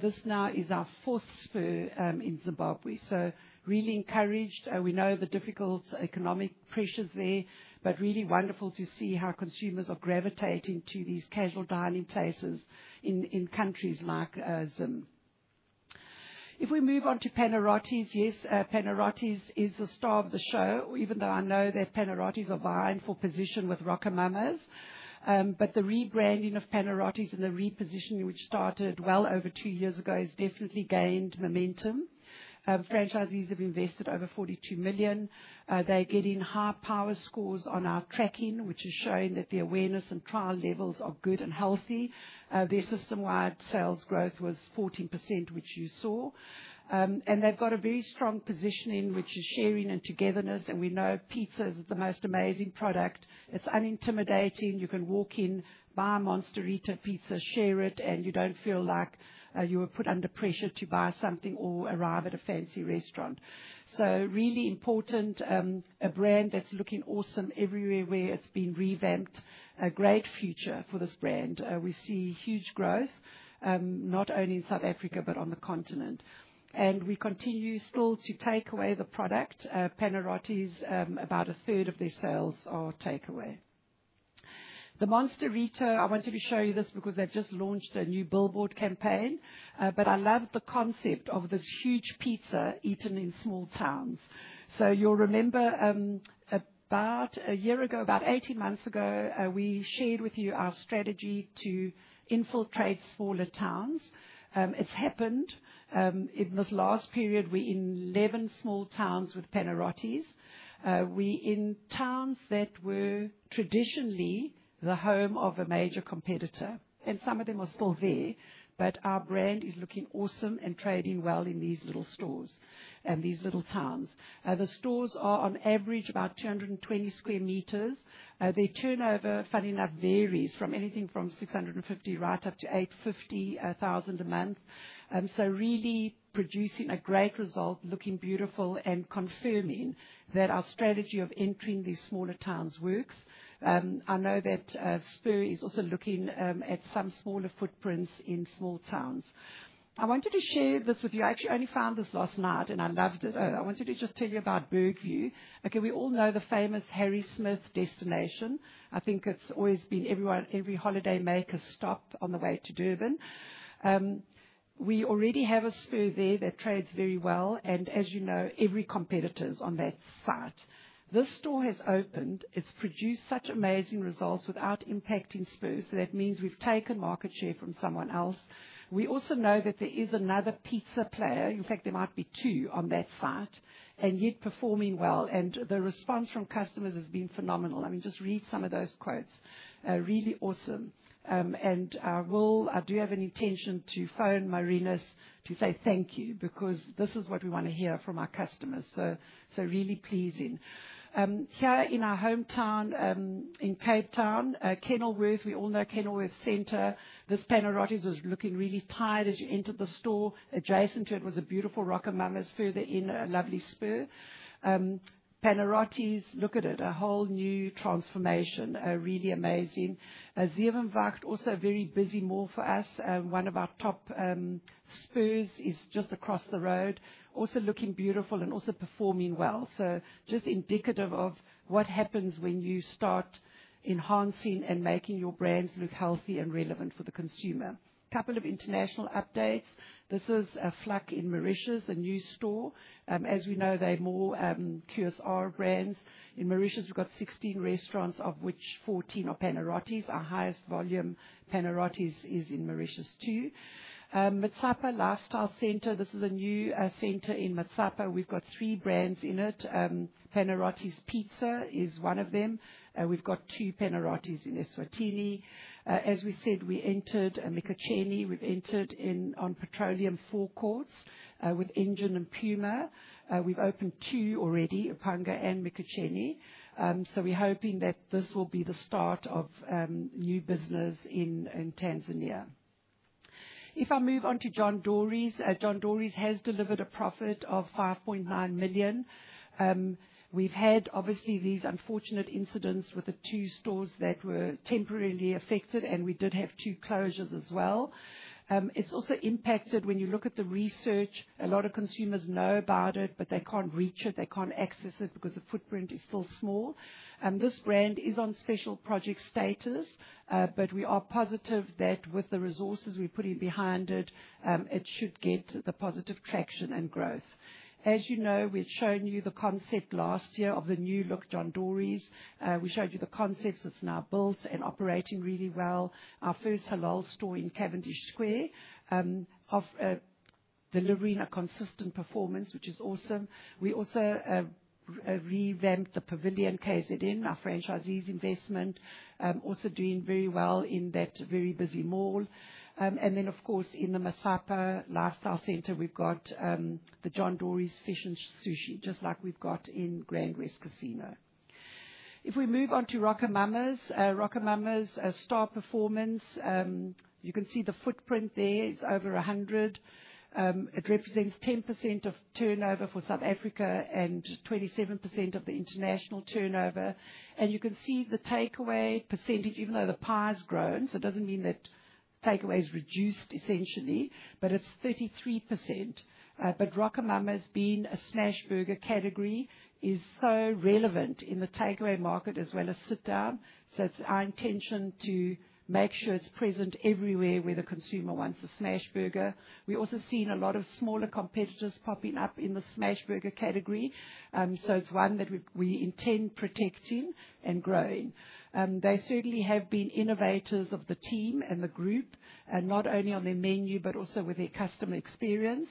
This now is our fourth Spur in Zimbabwe. Really encouraged. We know the difficult economic pressures there, but really wonderful to see how consumers are gravitating to these casual dining places in countries like Zim. If we move on to Panarottis, yes, Panarottis is the star of the show, even though I know that Panarottis are vying for position with RocoMamas. The rebranding of Panarottis and the repositioning, which started well over two years ago, has definitely gained momentum. Franchisees have invested over 42 million. They are getting high power scores on our tracking, which is showing that the awareness and trial levels are good and healthy. Their system-wide sales growth was 14%, which you saw. They have a very strong positioning, which is sharing and togetherness. We know pizza is the most amazing product. It is unintimidating. You can walk in, buy a Monsterita pizza, share it, and you do not feel like you were put under pressure to buy something or arrive at a fancy restaurant. Really important, a brand that is looking awesome everywhere where it has been revamped. A great future for this brand. We see huge growth, not only in South Africa, but on the continent. We continue still to take away the product. Panarottis, about a third of their sales are takeaway. The Monsterita, I wanted to show you this because they have just launched a new billboard campaign. I love the concept of this huge pizza eaten in small towns. You will remember, about a year ago, about 18 months ago, we shared with you our strategy to infiltrate smaller towns. It has happened. In this last period, we are in 11 small towns with Panarottis. We're in towns that were traditionally the home of a major competitor, and some of them are still there, but our brand is looking awesome and trading well in these little stores and these little towns. The stores are on average about 220 sq m. Their turnover, funny enough, varies from anything from 650,000 right up to 850,000 a month. Really producing a great result, looking beautiful and confirming that our strategy of entering these smaller towns works. I know that Spur is also looking at some smaller footprints in small towns. I wanted to share this with you. I actually only found this last night, and I loved it. I wanted to just tell you about Bergview. Okay, we all know the famous Harry Smith destination. I think it's always been everyone, every holiday maker's stop on the way to Durban. We already have a Spur there that trades very well. As you know, every competitor is on that site. This store has opened. It has produced such amazing results without impacting Spur. That means we have taken market share from someone else. We also know that there is another pizza player. In fact, there might be two on that site, and yet performing well. The response from customers has been phenomenal. I mean, just read some of those quotes. Really awesome. Do you have an intention to phone Marinus to say thank you because this is what we want to hear from our customers. Really pleasing. Here in our hometown, in Cape Town, Kenilworth, we all know Kenilworth Center. This Panarottis was looking really tired as you entered the store. Adjacent to it was a beautiful RocoMamas, further in a lovely Spur. Panarottis, look at it, a whole new transformation. Really amazing. Zirvunvakt, also a very busy mall for us. One of our top, Spurs is just across the road, also looking beautiful and also performing well. Just indicative of what happens when you start enhancing and making your brands look healthy and relevant for the consumer. Couple of international updates. This is Flak in Mauritius, a new store. As we know, they are more QSR brands. In Mauritius, we have 16 restaurants, of which 14 are Panarottis. Our highest volume Panarottis is in Mauritius too. Matsapa Lifestyle Center, this is a new center in Matsapa. We have three brands in it. Panarottis Pizza is one of them. We have two Panarottis in Eswatini. As we said, we entered Mikocheni. We have entered in on petroleum forecourts, with Engen and Puma. We have opened two already, Upanga and Mikocheni. We're hoping that this will be the start of new business in Tanzania. If I move on to John Dory's, John Dory's has delivered a profit of 5.9 million. We've had obviously these unfortunate incidents with the two stores that were temporarily affected, and we did have two closures as well. It's also impacted when you look at the research. A lot of consumers know about it, but they can't reach it. They can't access it because the footprint is still small. This brand is on special project status, but we are positive that with the resources we're putting behind it, it should get the positive traction and growth. As you know, we've shown you the concept last year of the new look, John Dory's. We showed you the concept. It's now built and operating really well. Our first halal store in Cavendish Square, delivering a consistent performance, which is awesome. We also revamped the Pavilion KZN, our franchisee's investment, also doing very well in that very busy mall. In the Matsapa Lifestyle Center, we've got the John Dory's Fish and Sushi, just like we've got in Grand West Casino. If we move on to RocoMamas, RocoMamas, star performance, you can see the footprint there is over 100. It represents 10% of turnover for South Africa and 27% of the international turnover. You can see the takeaway percentage, even though the pie's grown, so it doesn't mean that takeaway's reduced essentially, but it's 33%. RocoMamas being a smash burger category is so relevant in the takeaway market as well as sit down. It is our intention to make sure it is present everywhere where the consumer wants a smash burger. We have also seen a lot of smaller competitors popping up in the smash burger category, so it is one that we intend protecting and growing. They certainly have been innovators of the team and the group, not only on their menu, but also with their customer experience.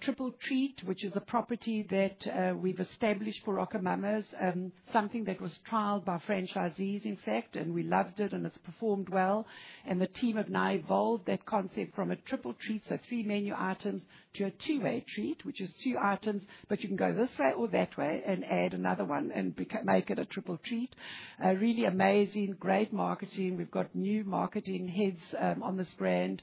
Triple Treat, which is a property that we have established for RocoMamas, something that was trialed by franchisees, in fact, and we loved it and it has performed well. The team have now evolved that concept from a Triple Treat, so three menu items, to a Two-Way Treat, which is two items, but you can go this way or that way and add another one and make it a Triple Treat. Really amazing, great marketing. We have got new marketing heads on this brand.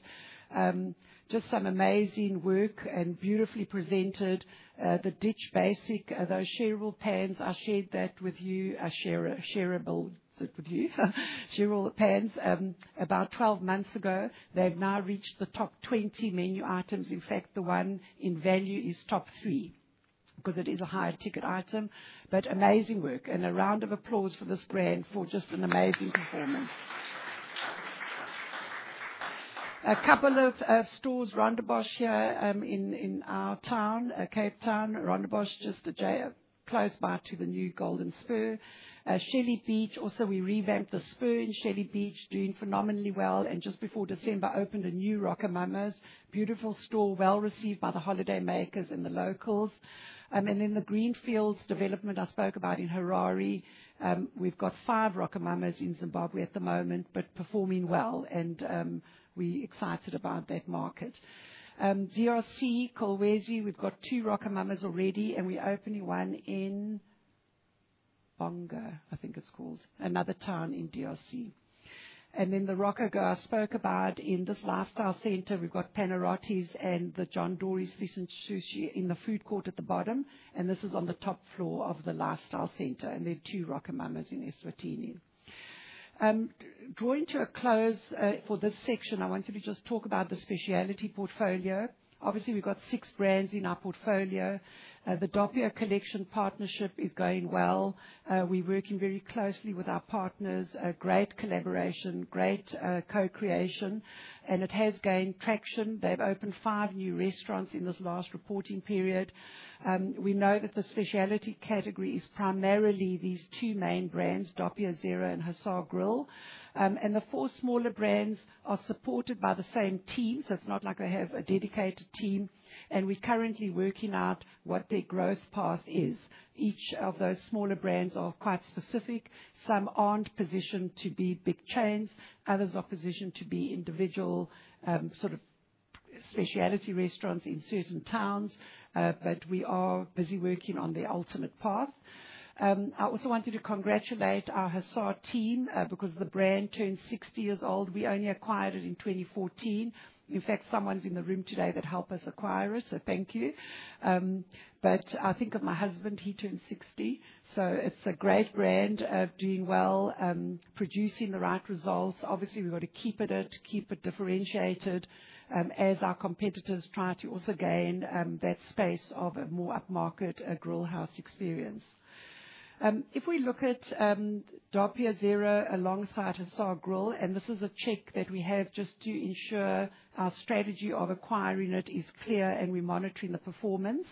Just some amazing work and beautifully presented, the Ditch Basic, those shareable pans. I shared that with you. I share a shareable with you. Share all the pans. About 12 months ago, they've now reached the top 20 menu items. In fact, the one in value is top three because it is a higher ticket item, but amazing work and a round of applause for this brand for just an amazing performance. A couple of stores, Rondebosch here, in our town, Cape Town, Rondebosch, just close by to the new Golden Spur. Shelly Beach, also we revamped the Spur in Shelly Beach, doing phenomenally well. Just before December, opened a new RocoMamas, beautiful store, well received by the holiday makers and the locals. Then the Greenfields development I spoke about in Harare. We've got five RocoMamas in Zimbabwe at the moment, performing well. We're excited about that market. DRC, Kolwezi, we've got two RocoMamas already, and we're opening one in Bunga, I think it's called, another town in DRC. The RocoMamas I spoke about in this lifestyle center, we've got Panarottis and the John Dory's Fish Grill Sushi in the food court at the bottom. This is on the top floor of the lifestyle center. There are two RocoMamas in Eswatini. Drawing to a close, for this section, I wanted to just talk about the speciality portfolio. Obviously, we've got six brands in our portfolio. The Doppio Collection partnership is going well. We're working very closely with our partners. Great collaboration, great co-creation, and it has gained traction. They've opened five new restaurants in this last reporting period. We know that the speciality category is primarily these two main brands, Doppio Zero and Hussar Grill. The four smaller brands are supported by the same team. It is not like they have a dedicated team. We are currently working out what their growth path is. Each of those smaller brands are quite specific. Some are not positioned to be big chains. Others are positioned to be individual, sort of speciality restaurants in certain towns. We are busy working on the ultimate path. I also wanted to congratulate our Hussar team, because the brand turned 60 years old. We only acquired it in 2014. In fact, someone is in the room today that helped us acquire it. Thank you. I think of my husband, he turned 60. It is a great brand, doing well, producing the right results. Obviously, we've got to keep at it, keep it differentiated, as our competitors try to also gain that space of a more upmarket grill house experience. If we look at Doppio Zero alongside Hussar Grill, and this is a check that we have just to ensure our strategy of acquiring it is clear and we're monitoring the performance.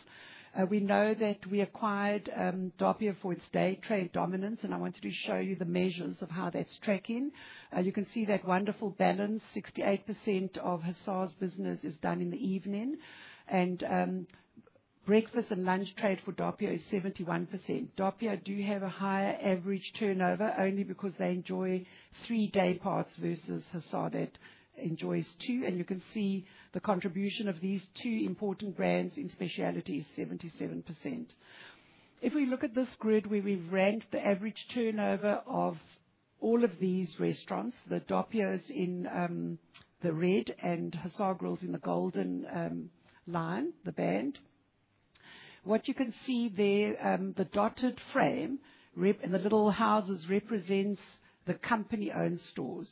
We know that we acquired Doppio for its day trade dominance. I wanted to show you the measures of how that's tracking. You can see that wonderful balance. 68% of Hussar's business is done in the evening. Breakfast and lunch trade for Doppio is 71%. Doppio do have a higher average turnover only because they enjoy three day parts versus Hussar that enjoys two. You can see the contribution of these two important brands in speciality is 77%. If we look at this grid where we've ranked the average turnover of all of these restaurants, the Doppios in the red and Hussar Grills in the golden line, the band, what you can see there, the dotted frame and the little houses represents the company-owned stores.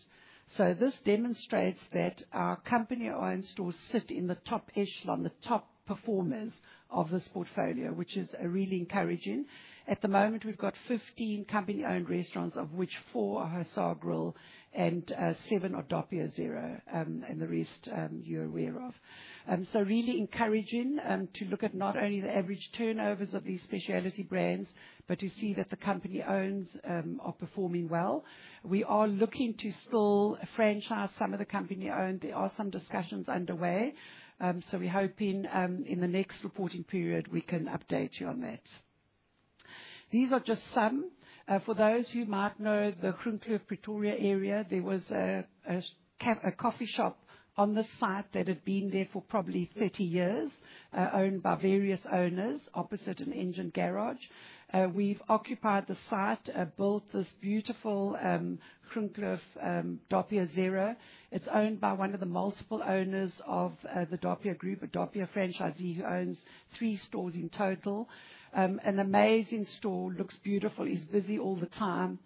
This demonstrates that our company-owned stores sit in the top echelon, the top performers of this portfolio, which is really encouraging. At the moment, we've got 15 company-owned restaurants, of which four are Hussar Grill and seven are Doppio Zero, and the rest, you're aware of. Really encouraging to look at not only the average turnovers of these speciality brands, but to see that the company-owned are performing well. We are looking to still franchise some of the company-owned. There are some discussions underway. We're hoping, in the next reporting period, we can update you on that. These are just some. For those who might know the Erasmuskloof, Pretoria area, there was a café, a coffee shop on this site that had been there for probably 30 years, owned by various owners opposite an Engen garage. We've occupied the site, built this beautiful Erasmuskloof Doppio Zero. It's owned by one of the multiple owners of the Doppio group, a Doppio franchisee who owns three stores in total. An amazing store, looks beautiful, is busy all the time,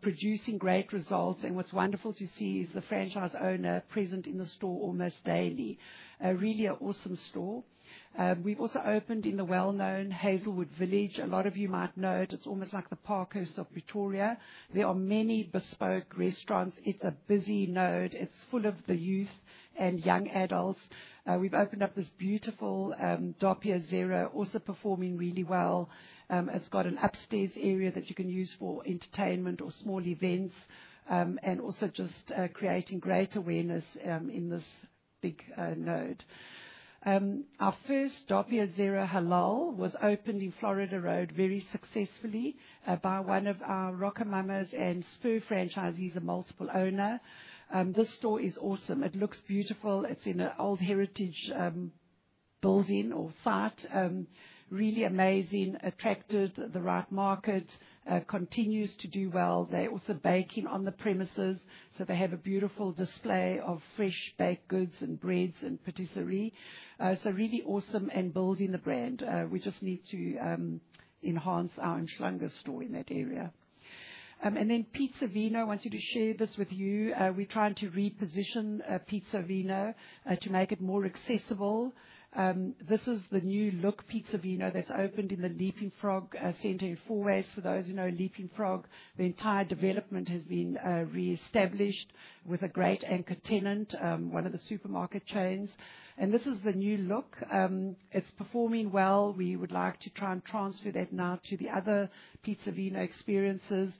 producing great results. What's wonderful to see is the franchise owner present in the store almost daily. Really an awesome store. We've also opened in the well-known Hazelwood Village. A lot of you might know it. It's almost like the Parkhurst of Pretoria. There are many bespoke restaurants. It's a busy node. It's full of the youth and young adults. We've opened up this beautiful Doppio Zero, also performing really well. It's got an upstairs area that you can use for entertainment or small events, and also just creating great awareness in this big node. Our first Doppio Zero halal was opened in Florida Road very successfully by one of our RocoMamas and Spur franchisees and multiple owner. This store is awesome. It looks beautiful. It's in an old heritage building or site. Really amazing, attracted the right market, continues to do well. They're also baking on the premises, so they have a beautiful display of fresh baked goods and breads and patisserie. Really awesome and building the brand. We just need to enhance our Schlunder store in that area. And then Pizza Vino, I wanted to share this with you. We're trying to reposition Pizza Vino to make it more accessible. This is the new look, Pizza Vino that's opened in the Leaping Frog center in Fourways. For those who know Leaping Frog, the entire development has been reestablished with a great anchor tenant, one of the supermarket chains. This is the new look. It's performing well. We would like to try and transfer that now to the other Pizza Vino experiences,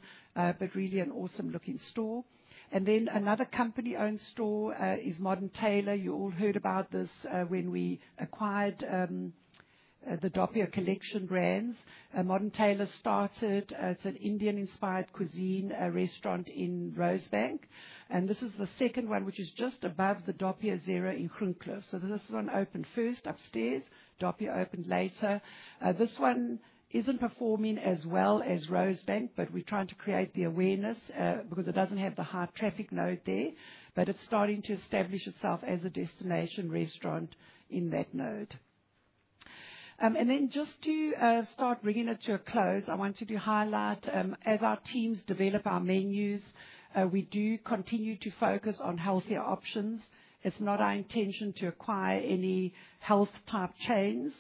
but really an awesome looking store. Another company-owned store is Modern Tailors. You all heard about this when we acquired the Doppio Collection brands. Modern Tailors started, it's an Indian-inspired cuisine restaurant in Rosebank. This is the second one, which is just above the Doppio Zero in Hurlingham. This one opened first upstairs. Doppio opened later. This one isn't performing as well as Rosebank, but we're trying to create the awareness, because it doesn't have the high traffic node there, but it's starting to establish itself as a destination restaurant in that node. Just to start bringing it to a close, I wanted to highlight, as our teams develop our menus, we do continue to focus on healthier options. It's not our intention to acquire any health-type chains.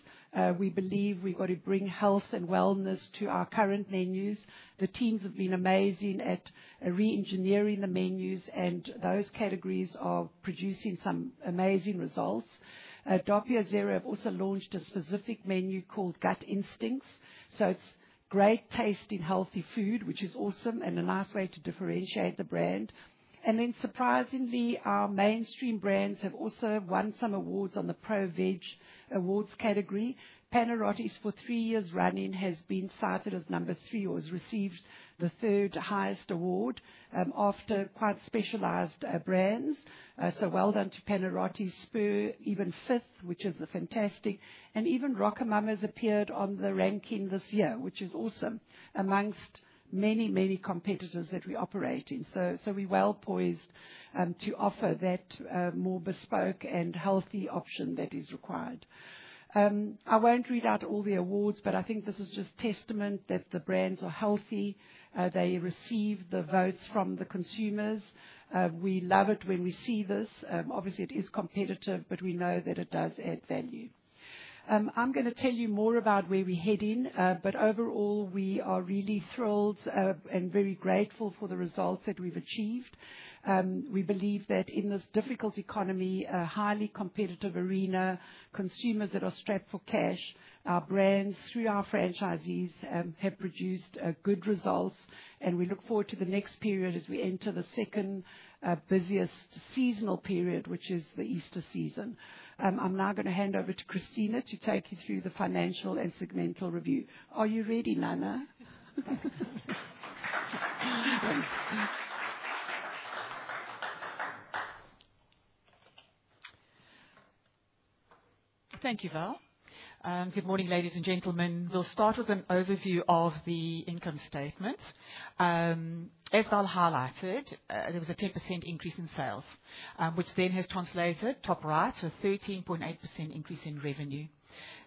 We believe we've got to bring health and wellness to our current menus. The teams have been amazing at re-engineering the menus and those categories of producing some amazing results. Doppio Zero have also launched a specific menu called Gut Instincts. It's great tasting healthy food, which is awesome and a nice way to differentiate the brand. Surprisingly, our mainstream brands have also won some awards on the Pro Veg Awards category. Panarottis, for three years running, has been cited as number three or has received the third highest award, after quite specialized brands. So well done to Panarottis. Spur even fifth, which is fantastic. Even RocoMamas appeared on the ranking this year, which is awesome amongst many, many competitors that we operate in. We are well poised to offer that more bespoke and healthy option that is required. I won't read out all the awards, but I think this is just testament that the brands are healthy. They receive the votes from the consumers. We love it when we see this. Obviously, it is competitive, but we know that it does add value. I'm going to tell you more about where we're heading. Overall, we are really thrilled and very grateful for the results that we've achieved. We believe that in this difficult economy, a highly competitive arena, consumers that are strapped for cash, our brands through our franchisees have produced good results. We look forward to the next period as we enter the second busiest seasonal period, which is the Easter season. I'm now going to hand over to Christina to take you through the financial and segmental review. Are you ready, Nana? Thank you, Val. Good morning, ladies and gentlemen. We'll start with an overview of the income statement. As Val highlighted, there was a 10% increase in sales, which then has translated top right to a 13.8% increase in revenue.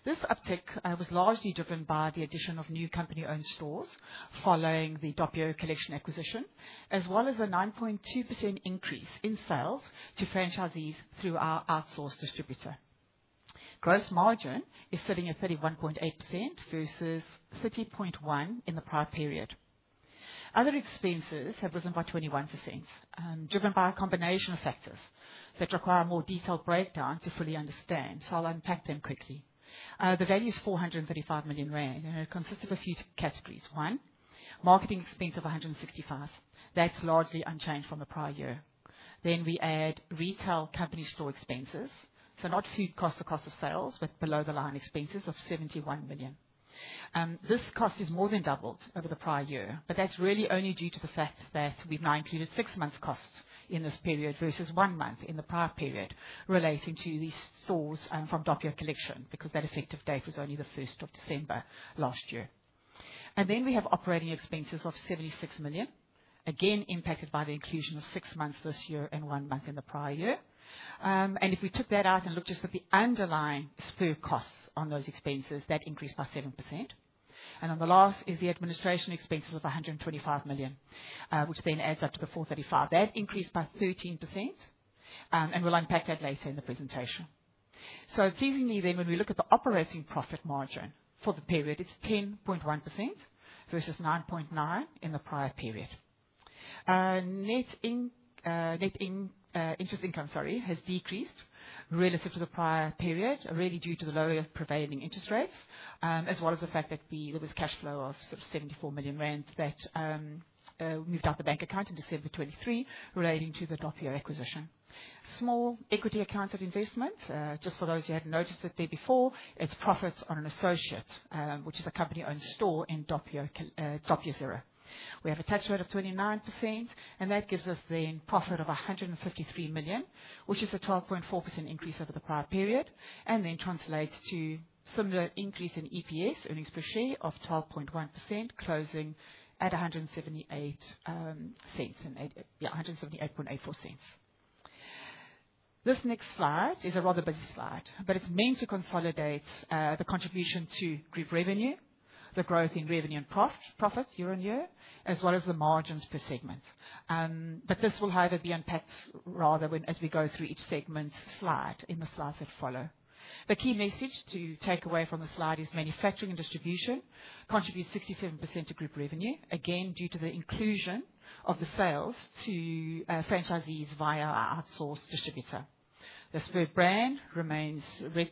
This uptick was largely driven by the addition of new company-owned stores following the Doppio Collection acquisition, as well as a 9.2% increase in sales to franchisees through our outsourced distributor. Gross margin is sitting at 31.8% versus 30.1% in the prior period. Other expenses have risen by 21%, driven by a combination of factors that require a more detailed breakdown to fully understand. I'll unpack them quickly. The value is 435 million rand, and it consists of a few categories. One, marketing expense of 165 million. That's largely unchanged from the prior year. We add retail company store expenses, so not food costs or cost of sales, but below-the-line expenses of 71 million. This cost has more than doubled over the prior year, but that's really only due to the fact that we've now included six months' costs in this period versus one month in the prior period relating to these stores from Doppio Collection because that effective date was only the 1st of December last year. We have operating expenses of 76 million, again impacted by the inclusion of six months this year and one month in the prior year. If we took that out and looked just at the underlying Spur costs on those expenses, that increased by 7%. The last is the administration expenses of 125 million, which then adds up to the 435 million. That increased by 13%, and we'll unpack that later in the presentation. Pleasingly then, when we look at the operating profit margin for the period, it's 10.1% versus 9.9% in the prior period. Net interest income, sorry, has decreased relative to the prior period, really due to the lower prevailing interest rates, as well as the fact that there was cash flow of 74 million rand that moved out the bank account in December 2023 relating to the Doppio Zero acquisition. Small equity accounts at investment, just for those who hadn't noticed it there before, it's profits on an associate, which is a company-owned store in Doppio Zero. We have a tax rate of 29%, and that gives us then profit of 153 million, which is a 12.4% increase over the prior period, and then translates to similar increase in EPS, earnings per share, of 12.1%, closing at 178.84 cents. This next slide is a rather busy slide, but it's meant to consolidate the contribution to group revenue, the growth in revenue and profits, profits year on year, as well as the margins per segment. This will either be unpacked rather when as we go through each segment slide in the slides that follow. The key message to take away from the slide is manufacturing and distribution contribute 67% to group revenue, again due to the inclusion of the sales to franchisees via our outsourced distributor. The Spur brand remains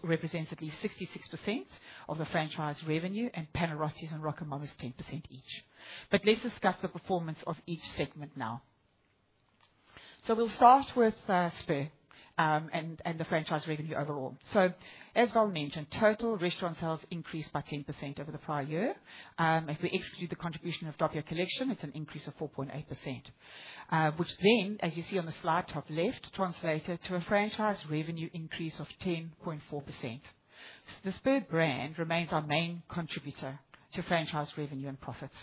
represents at least 66% of the franchise revenue, and Panarottis and RocoMamas 10% each. Let's discuss the performance of each segment now. We'll start with Spur, and the franchise revenue overall. As Val mentioned, total restaurant sales increased by 10% over the prior year. If we exclude the contribution of Doppio Collection, it's an increase of 4.8%, which then, as you see on the slide top left, translated to a franchise revenue increase of 10.4%. The Spur brand remains our main contributor to franchise revenue and profits.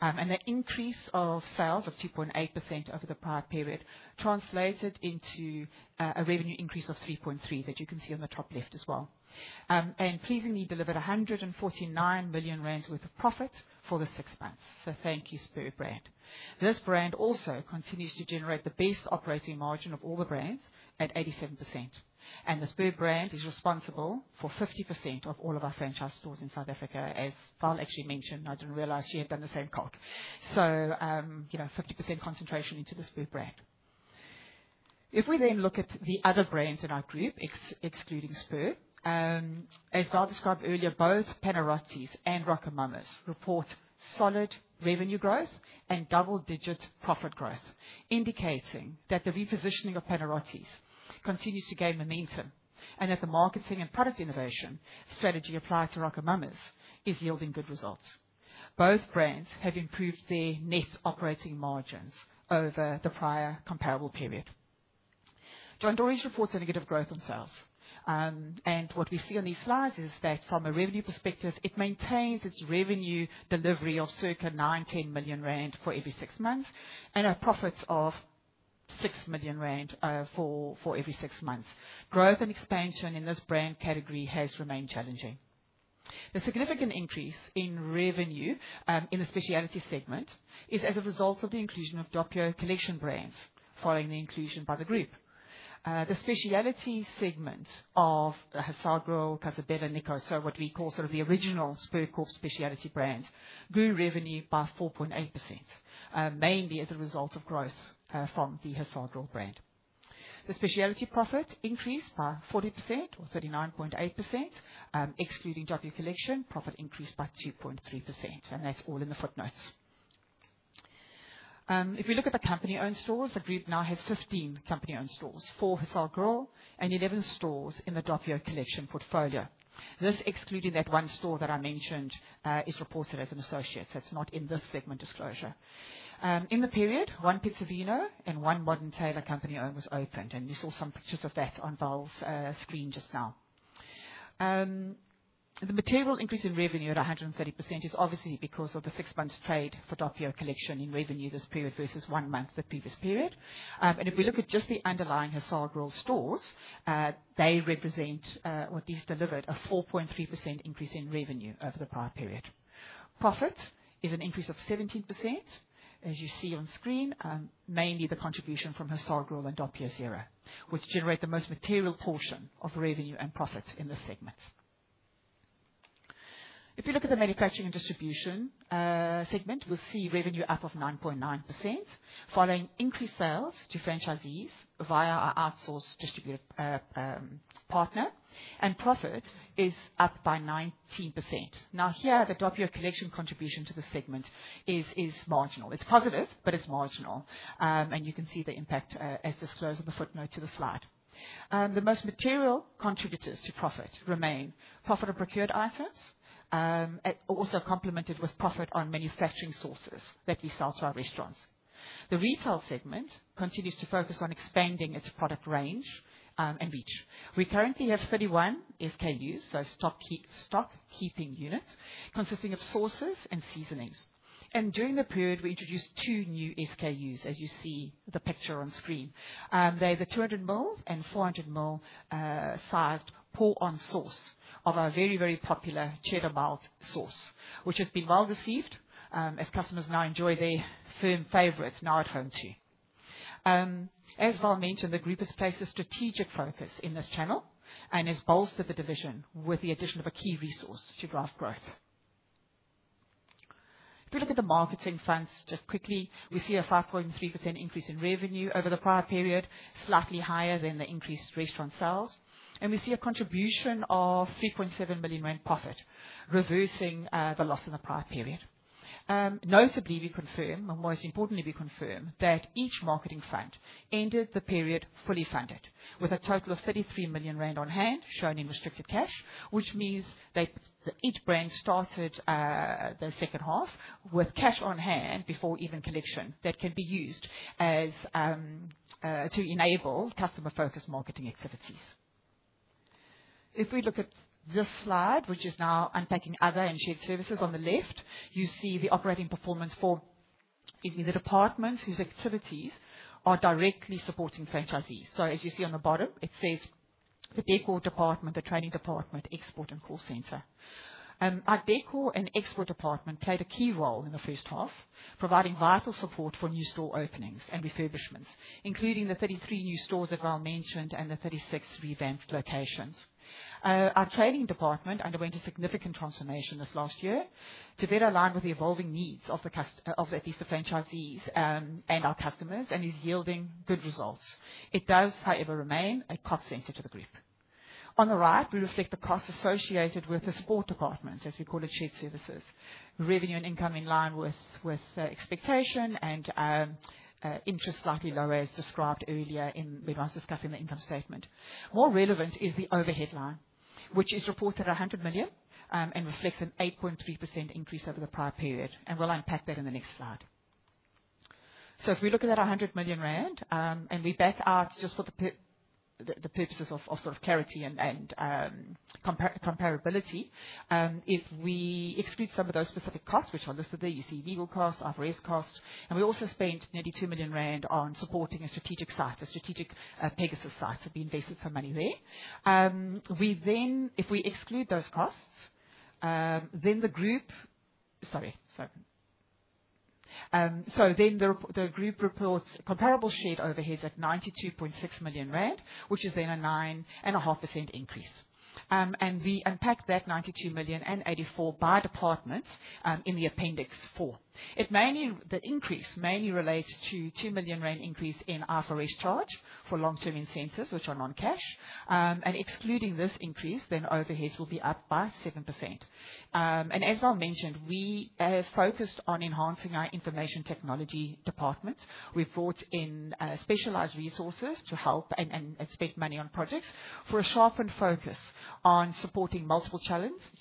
The increase of sales of 2.8% over the prior period translated into a revenue increase of 3.3% that you can see on the top left as well. Pleasingly, it delivered 149 million rand worth of profit for the six months. Thank you, Spur brand. This brand also continues to generate the best operating margin of all the brands at 87%. The Spur brand is responsible for 50% of all of our franchise stores in South Africa, as Val actually mentioned. I didn't realize she had done the same cod. You know, 50% concentration into the Spur brand. If we then look at the other brands in our group, excluding Spur, as Val described earlier, both Panarottis and RocoMamas report solid revenue growth and double-digit profit growth, indicating that the repositioning of Panarottis continues to gain momentum and that the marketing and product innovation strategy applied to RocoMamas is yielding good results. Both brands have improved their net operating margins over the prior comparable period. John Dory's reports a negative growth in sales. What we see on these slides is that from a revenue perspective, it maintains its revenue delivery of circa 9 million-10 million rand for every six months and a profit of 6 million rand for every six months. Growth and expansion in this brand category has remained challenging. The significant increase in revenue, in the speciality segment is as a result of the inclusion of Doppio Collection brands following the inclusion by the group. The speciality segment of the Hussar Grill, Casa Bella, Nikos, so what we call sort of the original Spur Corporation speciality brand, grew revenue by 4.8%, mainly as a result of growth, from the Hussar Grill brand. The speciality profit increased by 40% or 39.8%. Excluding Doppio Collection, profit increased by 2.3%. That's all in the footnotes. If we look at the company-owned stores, the group now has 15 company-owned stores, four Hussar Grill and 11 stores in the Doppio Collection portfolio. This excluding that one store that I mentioned, is reported as an associate. It is not in this segment disclosure. In the period, one Pizza Vino and one Modern Tailors company-owned was opened, and you saw some pictures of that on Val's screen just now. The material increase in revenue at 130% is obviously because of the six-month trade for Doo collection in revenue this period versus one month the previous period. If we look at just the underlying Hussar Grill stores, they represent, or at least delivered, a 4.3% increase in revenue over the prior period. Profit is an increase of 17%, as you see on screen, mainly the contribution from Hussar Grill and Doppio Zero, which generate the most material portion of revenue and profit in the segment. If you look at the manufacturing and distribution segment, we'll see revenue up 9.9% following increased sales to franchisees via our outsourced distributor partner, and profit is up by 19%. Now here, the Doppio Collection contribution to the segment is, is marginal. It's positive, but it's marginal. You can see the impact, as disclosed in the footnote to the slide. The most material contributors to profit remain profit on procured items, also complemented with profit on manufacturing sources that we sell to our restaurants. The retail segment continues to focus on expanding its product range, and reach. We currently have 31 SKUs, so stock keeping units consisting of sauces and seasonings. During the period, we introduced two new SKUs, as you see the picture on screen. They're the 200 ml and 400 ml sized pour-on sauce of our very, very popular Cheddar Malt sauce, which has been well received, as customers now enjoy their firm favorites now at home too. As Val mentioned, the group has placed a strategic focus in this channel and has bolstered the division with the addition of a key resource to drive growth. If we look at the marketing funds just quickly, we see a 5.3% increase in revenue over the prior period, slightly higher than the increased restaurant sales. We see a contribution of 3.7 million rand profit, reversing the loss in the prior period. Notably, we confirm, and most importantly, we confirm that each marketing fund ended the period fully funded with a total of 33 million rand on hand, shown in restricted cash, which means that each brand started the second half with cash on hand before even collection that can be used to enable customer-focused marketing activities. If we look at this slide, which is now unpacking other and shared services, on the left, you see the operating performance for, excuse me, the departments whose activities are directly supporting franchisees. As you see on the bottom, it says the Decor Department, the Training Department, Export and Call Center. Our Decor and Export Department played a key role in the first half, providing vital support for new store openings and refurbishments, including the 33 new stores that Val mentioned and the 36 revamped locations. Our Training Department underwent a significant transformation this last year to better align with the evolving needs of the cust, of at least the franchisees, and our customers, and is yielding good results. It does, however, remain a cost center to the group. On the right, we reflect the costs associated with the Support Department, as we call it, shared services. Revenue and income in line with, with, expectation and, interest slightly lower, as described earlier in when I was discussing the income statement. More relevant is the overhead line, which is reported at 100 million, and reflects an 8.3% increase over the prior period. We will unpack that in the next slide. If we look at that 100 million rand, and we back out just for the purposes of, of sort of clarity and, and, compar-comparability, if we exclude some of those specific costs, which are listed there, you see legal costs, IVS costs, and we also spent nearly 2 million rand on supporting a strategic site, a strategic, Pegasus site. We invested some money there. If we exclude those costs, then the group, sorry, sorry. The group reports comparable shared overheads at 92.6 million rand, which is then a 9.5% increase. We unpack that 92 million and 84 by departments, in the appendix four. It mainly, the increase mainly relates to 2 million rand increase in IVS charge for long-term incentives, which are non-cash. Excluding this increase, then overheads will be up by 7%. As Val mentioned, we focused on enhancing our information technology department. We brought in specialized resources to help and spend money on projects for a sharpened focus on supporting multiple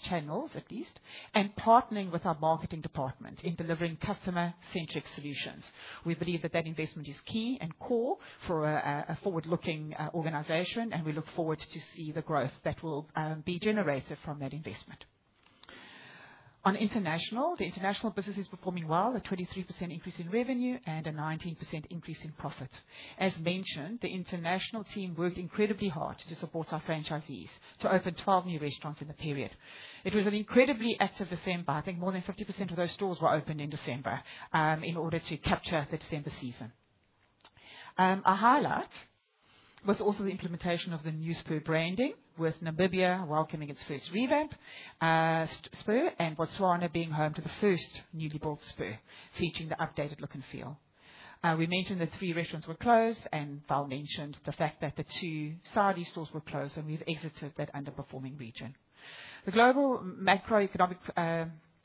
channels at least, and partnering with our marketing department in delivering customer-centric solutions. We believe that that investment is key and core for a forward-looking organization, and we look forward to see the growth that will be generated from that investment. On international, the international business is performing well, a 23% increase in revenue and a 19% increase in profits. As mentioned, the international team worked incredibly hard to support our franchisees to open 12 new restaurants in the period. It was an incredibly active December. I think more than 50% of those stores were opened in December, in order to capture the December season. Our highlight was also the implementation of the new Spur branding with Namibia welcoming its first revamp, Spur, and Botswana being home to the first newly built Spur featuring the updated look and feel. We mentioned the three restaurants were closed, and Val mentioned the fact that the two Saudi stores were closed, and we've exited that underperforming region. The global macroeconomic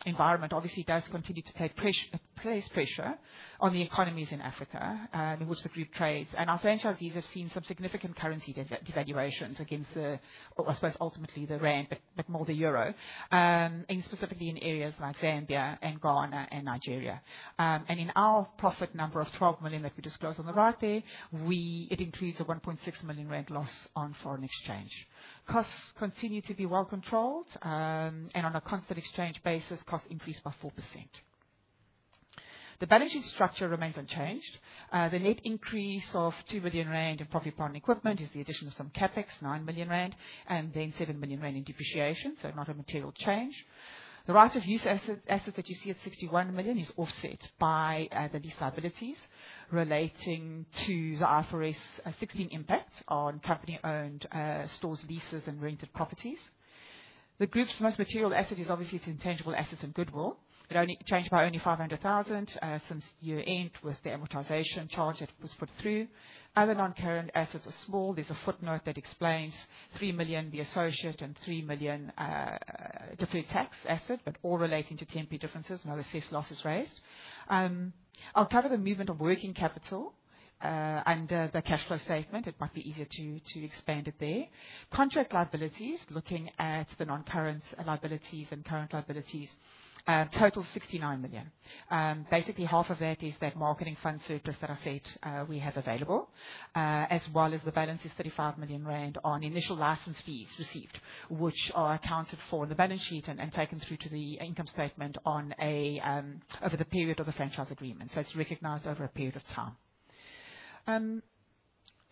environment obviously does continue to place pressure on the economies in Africa, in which the group trades. Our franchisees have seen some significant currency devaluations against the, I suppose, ultimately the rand, but more the euro, and specifically in areas like Zambia and Ghana and Nigeria. In our profit number of 12 million that we disclosed on the right there, it includes a 1.6 million loss on foreign exchange. Costs continue to be well controlled, and on a constant exchange basis, costs increased by 4%. The balance sheet structure remains unchanged. The net increase of 2 million rand in profit on equipment is the addition of some CapEx, 9 million rand, and then 7 million rand in depreciation, so not a material change. The right of use asset that you see at 61 million is offset by the lease liabilities relating to the IFRS 16 impact on company-owned stores, leases, and rented properties. The group's most material asset is obviously its intangible assets and goodwill. It only changed by only 500,000 since year-end with the amortization charge that was put through. Other non-current assets are small. There's a footnote that explains 3 million, the associate, and 3 million, different tax asset, but all relating to 10P differences, no assessed losses raised. I'll cover the movement of working capital, and the cash flow statement. It might be easier to expand it there. Contract liabilities, looking at the non-current liabilities and current liabilities, total 69 million. Basically half of that is that marketing fund surplus that I said we have available, as well as the balance is 35 million rand on initial license fees received, which are accounted for on the balance sheet and taken through to the income statement over the period of the franchise agreement. It's recognized over a period of time.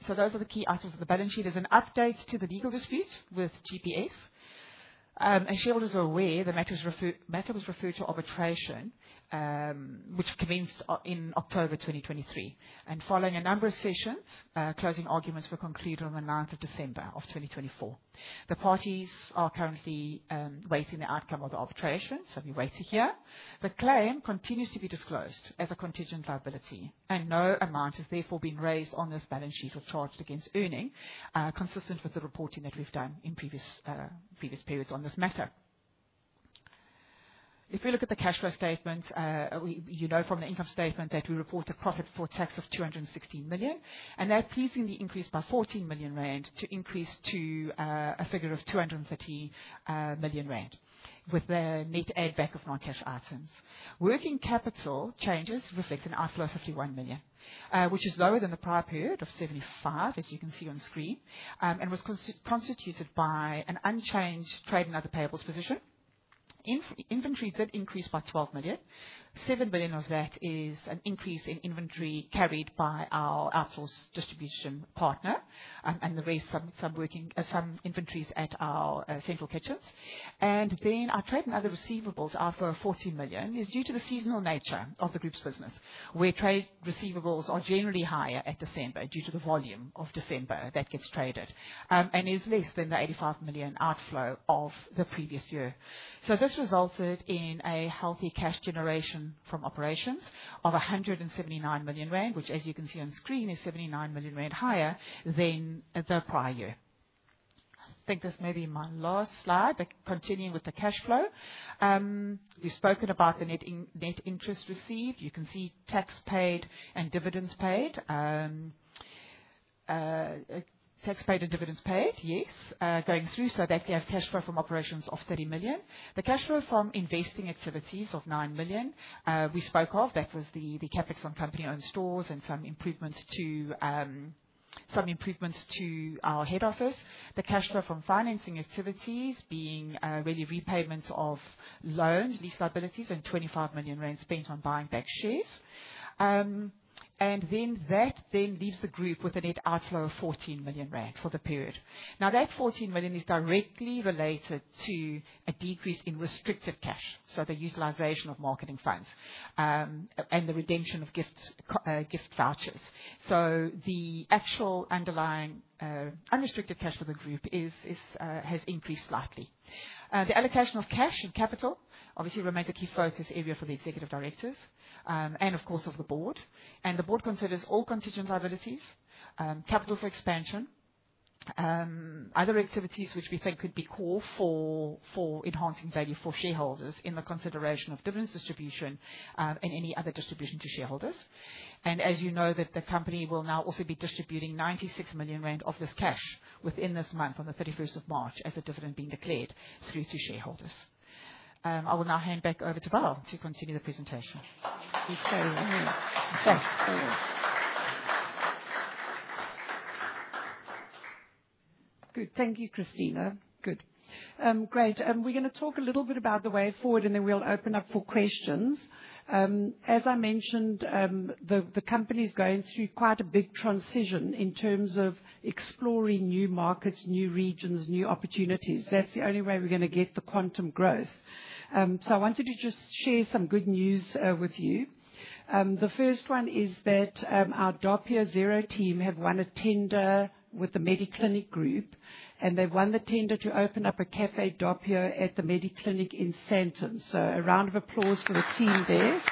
Those are the key items of the balance sheet. There's an update to the legal dispute with GPS. As you all are aware, the matter was referred to arbitration, which commenced in October 2023. Following a number of sessions, closing arguments were concluded on the 9th of December 2024. The parties are currently waiting the outcome of the arbitration, so we wait to hear. The claim continues to be disclosed as a contingent liability, and no amount has therefore been raised on this balance sheet or charged against earning, consistent with the reporting that we've done in previous periods on this matter. If we look at the cash flow statement, we, you know, from the income statement that we reported profit for tax of 216 million, and that pleasingly increased by 14 million rand to increase to a figure of 230 million rand with the net add-back of non-cash items. Working capital changes reflect an IVS of 51 million, which is lower than the prior period of 75 million, as you can see on screen, and was constituted by an unchanged trade and other payables position. Inventory did increase by 12 million. 7 million of that is an increase in inventory carried by our outsource distribution partner, and the rest some, some working, some inventories at our central kitchens. Our trade and other receivables of 14 million is due to the seasonal nature of the group's business, where trade receivables are generally higher at December due to the volume of December that gets traded, and is less than the 85 million outflow of the previous year. This resulted in a healthy cash generation from operations of 179 million rand, which, as you can see on screen, is 79 million rand higher than the prior year. I think this may be my last slide, but continuing with the cash flow. We've spoken about the net interest received. You can see tax paid and dividends paid, tax paid and dividends paid, yes, going through. We have cash flow from operations of 30 million. The cash flow from investing activities of 9 million, we spoke of. That was the CapEx on company-owned stores and some improvements to our head office. The cash flow from financing activities being really repayments of loans, lease liabilities, and 25 million rand spent on buying back shares. That then leaves the group with a net outflow of 14 million rand for the period. Now that 14 million is directly related to a decrease in restrictive cash, so the utilization of marketing funds, and the redemption of gift vouchers. The actual underlying, unrestricted cash for the group has increased slightly. The allocation of cash and capital obviously remains a key focus area for the executive directors, and of course of the board. The board considers all contingent liabilities, capital for expansion, other activities which we think could be core for enhancing value for shareholders in the consideration of dividends distribution, and any other distribution to shareholders. As you know, the company will now also be distributing 96 million rand of this cash within this month on the 31st of March as a dividend being declared through to shareholders. I will now hand back over to Val to continue the presentation. Thank you, Christina. Great. We're going to talk a little bit about the way forward, and then we'll open up for questions. As I mentioned, the company's going through quite a big transition in terms of exploring new markets, new regions, new opportunities. That's the only way we're going to get the quantum growth. I wanted to just share some good news with you. The first one is that our Doppio Zero team have won a tender with the MediClinic Group, and they've won the tender to open up a Café Doppio at the MediClinic in Sandton. A round of applause for the team there.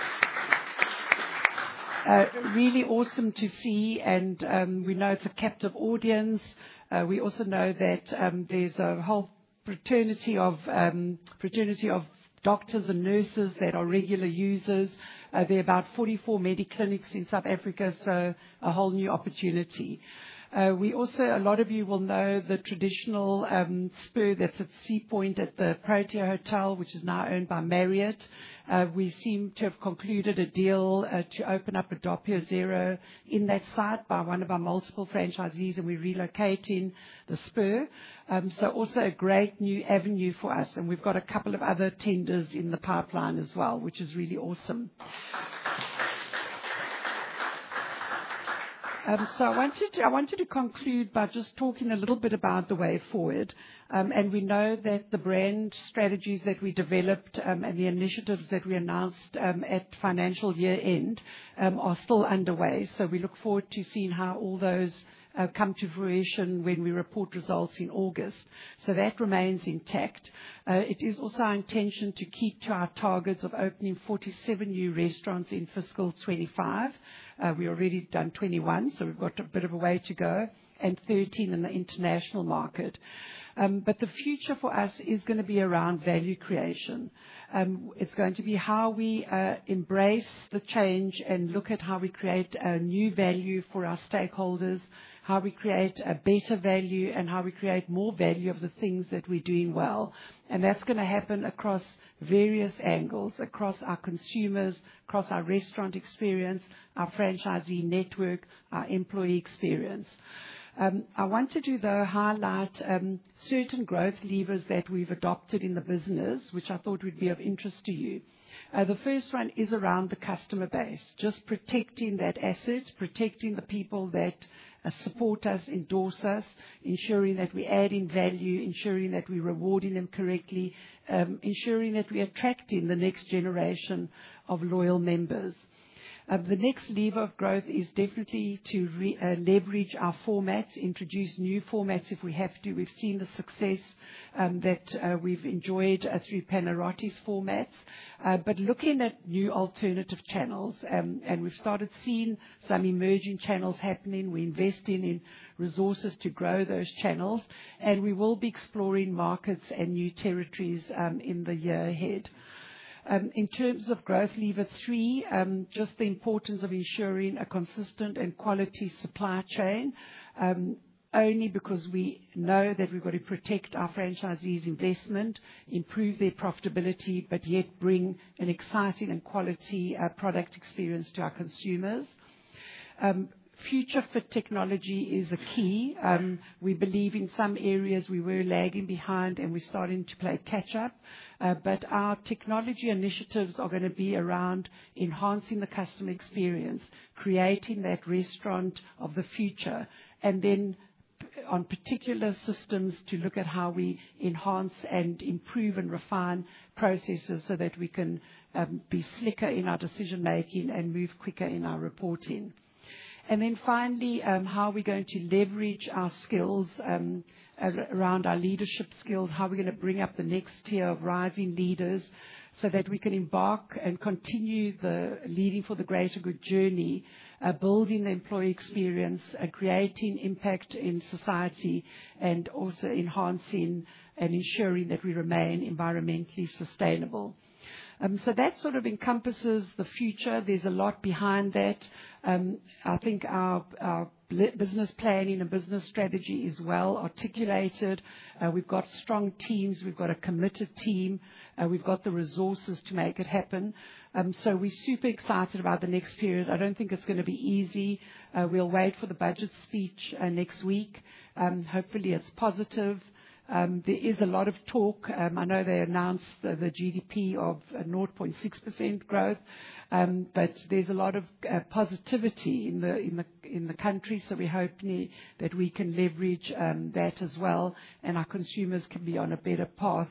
Really awesome to see. We know it's a captive audience. We also know that there's a whole fraternity of doctors and nurses that are regular users. There are about 44 MediClinics in South Africa, so a whole new opportunity. We also, a lot of you will know the traditional Spur that's at Sea Point at the Protea Hotel, which is now owned by Marriott. We seem to have concluded a deal to open up a Doppio Zero in that site by one of our multiple franchisees, and we're relocating the Spur. Also a great new avenue for us. We have a couple of other tenders in the pipeline as well, which is really awesome. I wanted to conclude by just talking a little bit about the way forward. We know that the brand strategies that we developed, and the initiatives that we announced at financial year end, are still underway. We look forward to seeing how all those come to fruition when we report results in August. That remains intact. It is also our intention to keep to our targets of opening 47 new restaurants in fiscal 2025. We have already done 21, so we have a bit of a way to go, and 13 in the international market. The future for us is going to be around value creation. It's going to be how we embrace the change and look at how we create a new value for our stakeholders, how we create a better value, and how we create more value of the things that we're doing well. That's going to happen across various angles, across our consumers, across our restaurant experience, our franchisee network, our employee experience. I wanted to, though, highlight certain growth levers that we've adopted in the business, which I thought would be of interest to you. The first one is around the customer base, just protecting that asset, protecting the people that support us, endorse us, ensuring that we're adding value, ensuring that we're rewarding them correctly, ensuring that we're attracting the next generation of loyal members. The next lever of growth is definitely to re-leverage our formats, introduce new formats if we have to. We've seen the success that we've enjoyed through Panarottis formats. Looking at new alternative channels, we've started seeing some emerging channels happening. We're investing in resources to grow those channels, and we will be exploring markets and new territories in the year ahead. In terms of growth lever three, just the importance of ensuring a consistent and quality supply chain, only because we know that we've got to protect our franchisees' investment, improve their profitability, but yet bring an exciting and quality product experience to our consumers. Future for technology is a key. We believe in some areas we were lagging behind, and we're starting to play catch-up. Our technology initiatives are going to be around enhancing the customer experience, creating that restaurant of the future, and then on particular systems to look at how we enhance and improve and refine processes so that we can be slicker in our decision-making and move quicker in our reporting. Finally, how are we going to leverage our skills, around our leadership skills? How are we going to bring up the next tier of rising leaders so that we can embark and continue the leading for the greater good journey, building the employee experience, creating impact in society, and also enhancing and ensuring that we remain environmentally sustainable? That sort of encompasses the future. There's a lot behind that. I think our business planning and business strategy is well articulated. We've got strong teams. We've got a committed team. We've got the resources to make it happen. We're super excited about the next period. I don't think it's going to be easy. We'll wait for the budget speech next week. Hopefully it's positive. There is a lot of talk. I know they announced the GDP of 0.6% growth, but there's a lot of positivity in the country. We're hoping that we can leverage that as well, and our consumers can be on a better path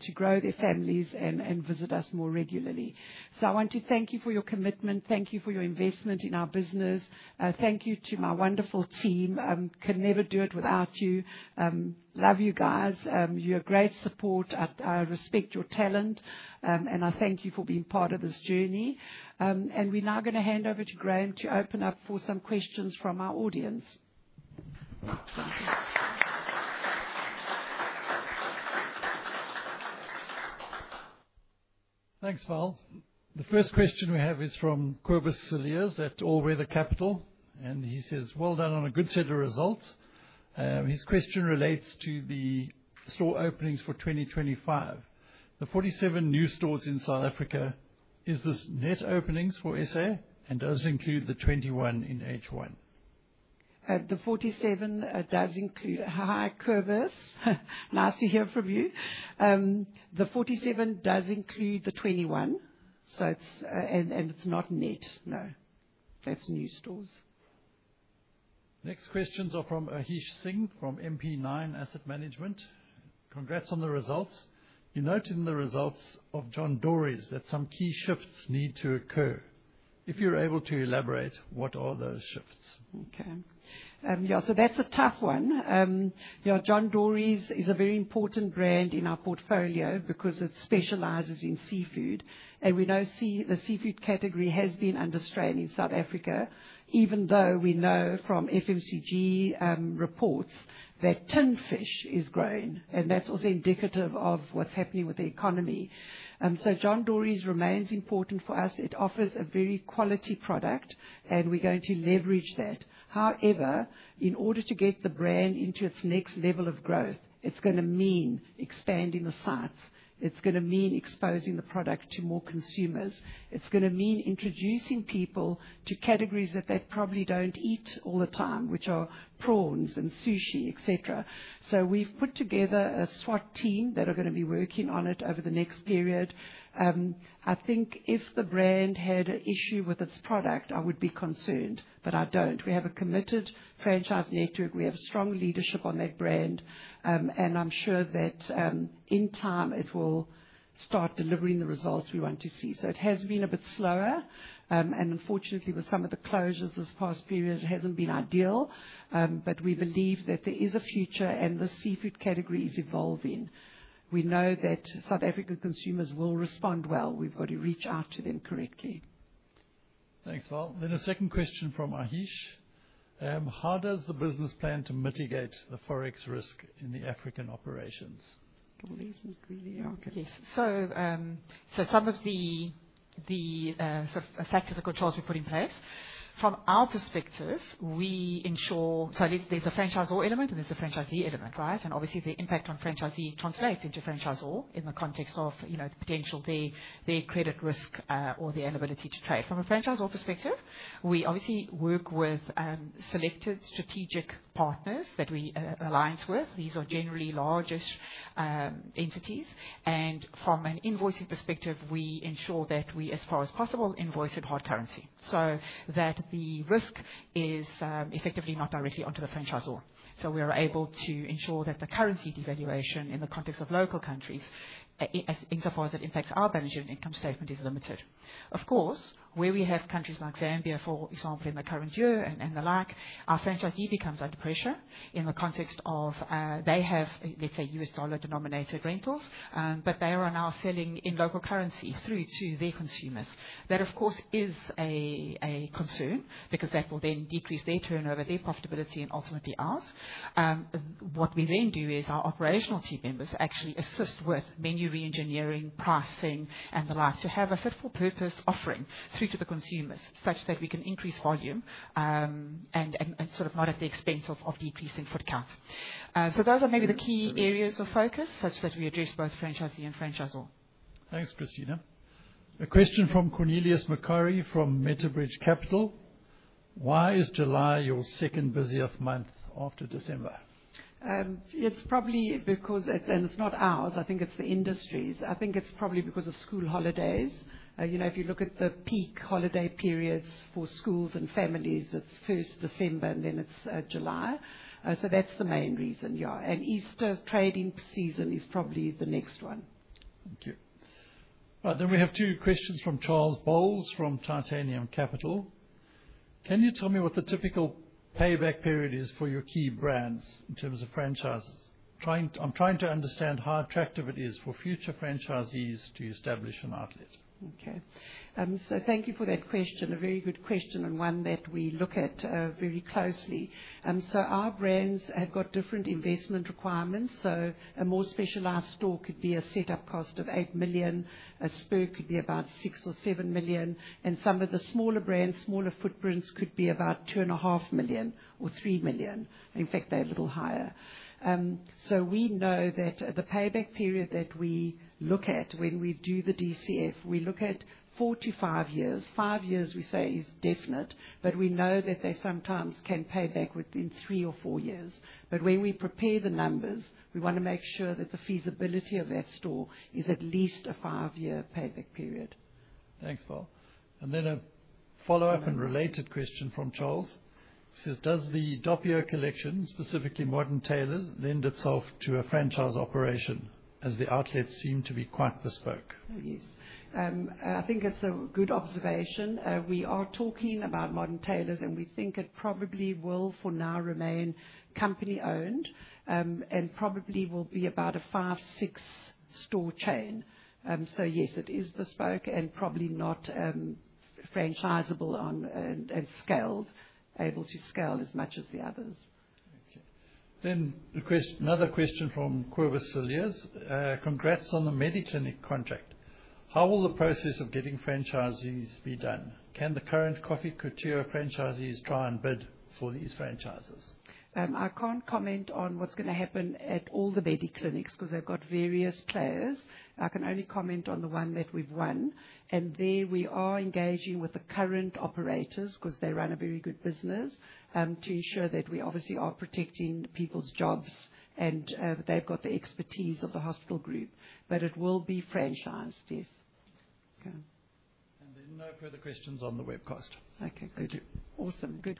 to grow their families and visit us more regularly. I want to thank you for your commitment. Thank you for your investment in our business. Thank you to my wonderful team. Could never do it without you. Love you guys. You're a great support. I respect your talent, and I thank you for being part of this journey. We're now going to hand over to Graham to open up for some questions from our audience. Thanks, Val. The first question we have is from Corbuseliers at All Weather Capital, and he says, "Well done on a good set of results." His question relates to the store openings for 2025. The 47 new stores in South Africa, is this net openings for SA and does it include the 21 in H1? The 47 does include—Hi, Corbus. Nice to hear from you. The 47 does include the 21. So it's, and it's not net. No, that's new stores. Next questions are from Aheesh Singh from MP9 Asset Management. Congrats on the results. You noted in the results of John Dory's that some key shifts need to occur. If you're able to elaborate, what are those shifts? Okay. Yeah, so that's a tough one. You know, John Dory's is a very important brand in our portfolio because it specializes in seafood, and we know the seafood category has been under strain in South Africa, even though we know from FMCG reports that tinfish is growing, and that's also indicative of what's happening with the economy. John Dory's remains important for us. It offers a very quality product, and we're going to leverage that. However, in order to get the brand into its next level of growth, it's going to mean expanding the sites. It's going to mean exposing the product to more consumers. It's going to mean introducing people to categories that they probably don't eat all the time, which are prawns and sushi, etc. We have put together a SWAT team that are going to be working on it over the next period. I think if the brand had an issue with its product, I would be concerned, but I don't. We have a committed franchise network. We have strong leadership on that brand, and I'm sure that, in time, it will start delivering the results we want to see. It has been a bit slower, and unfortunately with some of the closures this past period, it hasn't been ideal. We believe that there is a future, and the seafood category is evolving. We know that South African consumers will respond well. We've got to reach out to them correctly. Thanks, Val. A second question from Aheesh: how does the business plan to mitigate the Forex risk in the African operations? Yes. Some of the, the, sort of factors and controls we put in place, from our perspective, we ensure, so there's a franchisor element, and there's a franchisee element, right? Obviously the impact on franchisee translates into franchisor in the context of, you know, potential their, their credit risk, or their ability to trade. From a franchisor perspective, we obviously work with, selected strategic partners that we, alliance with. These are generally largest, entities. From an invoicing perspective, we ensure that we, as far as possible, invoice in hard currency so that the risk is, effectively not directly onto the franchisor. We are able to ensure that the currency devaluation in the context of local countries, insofar as it impacts our benefit and income statement is limited. Of course, where we have countries like Zambia, for example, in the current year and the like, our franchisee becomes under pressure in the context of, they have, let's say, US dollar denominated rentals, but they are now selling in local currency through to their consumers. That, of course, is a concern because that will then decrease their turnover, their profitability, and ultimately ours. What we then do is our operational team members actually assist with menu re-engineering, pricing, and the like to have a fit-for-purpose offering through to the consumers such that we can increase volume, and sort of not at the expense of decreasing foot count. Those are maybe the key areas of focus such that we address both franchisee and franchisor. Thanks, Christina. A question from Cornelius Macquarie from Metal Bridge Capital. Why is July your second busiest month after December? It's probably because it's, and it's not ours. I think it's the industry's. I think it's probably because of school holidays. You know, if you look at the peak holiday periods for schools and families, it's 1st December, and then it's July. That's the main reason, yeah. Easter trading season is probably the next one. Thank you. All right. We have two questions from Charles Bowles from Titanium Capital. Can you tell me what the typical payback period is for your key brands in terms of franchises? Trying, I'm trying to understand how attractive it is for future franchisees to establish an outlet. Okay. Thank you for that question. A very good question and one that we look at very closely. Our brands have got different investment requirements. A more specialized store could be a setup cost of 8 million. A Spur could be about 6 million or 7 million. And some of the smaller brands, smaller footprints could be about 2.5 million or 3 million. In fact, they're a little higher. We know that the payback period that we look at when we do the DCF, we look at 4-5 years. Five years, we say, is definite, but we know that they sometimes can pay back within 3 or 4 years. When we prepare the numbers, we want to make sure that the feasibility of that store is at least a 5-year payback period. Thanks, Val. A follow-up and related question from Charles. He says, does the Doo collection, specifically Modern Tailors, lend itself to a franchise operation as the outlets seem to be quite bespoke? Oh, yes. I think it's a good observation. We are talking about Modern Tailors, and we think it probably will for now remain company-owned, and probably will be about a 5-6 store chain. Yes, it is bespoke and probably not franchisable on, and able to scale as much as the others. Okay. A question, another question from Corbuseliers. Congrats on the MediClinic contract. How will the process of getting franchisees be done? Can the current Coffee Couture franchisees try and bid for these franchises? I can't comment on what's going to happen at all the MediClinics because they've got various players. I can only comment on the one that we've won. There we are engaging with the current operators because they run a very good business, to ensure that we obviously are protecting people's jobs and they've got the expertise of the hospital group. It will be franchised, yes. Okay. No further questions on the webcast. Okay. Good. Awesome. Good.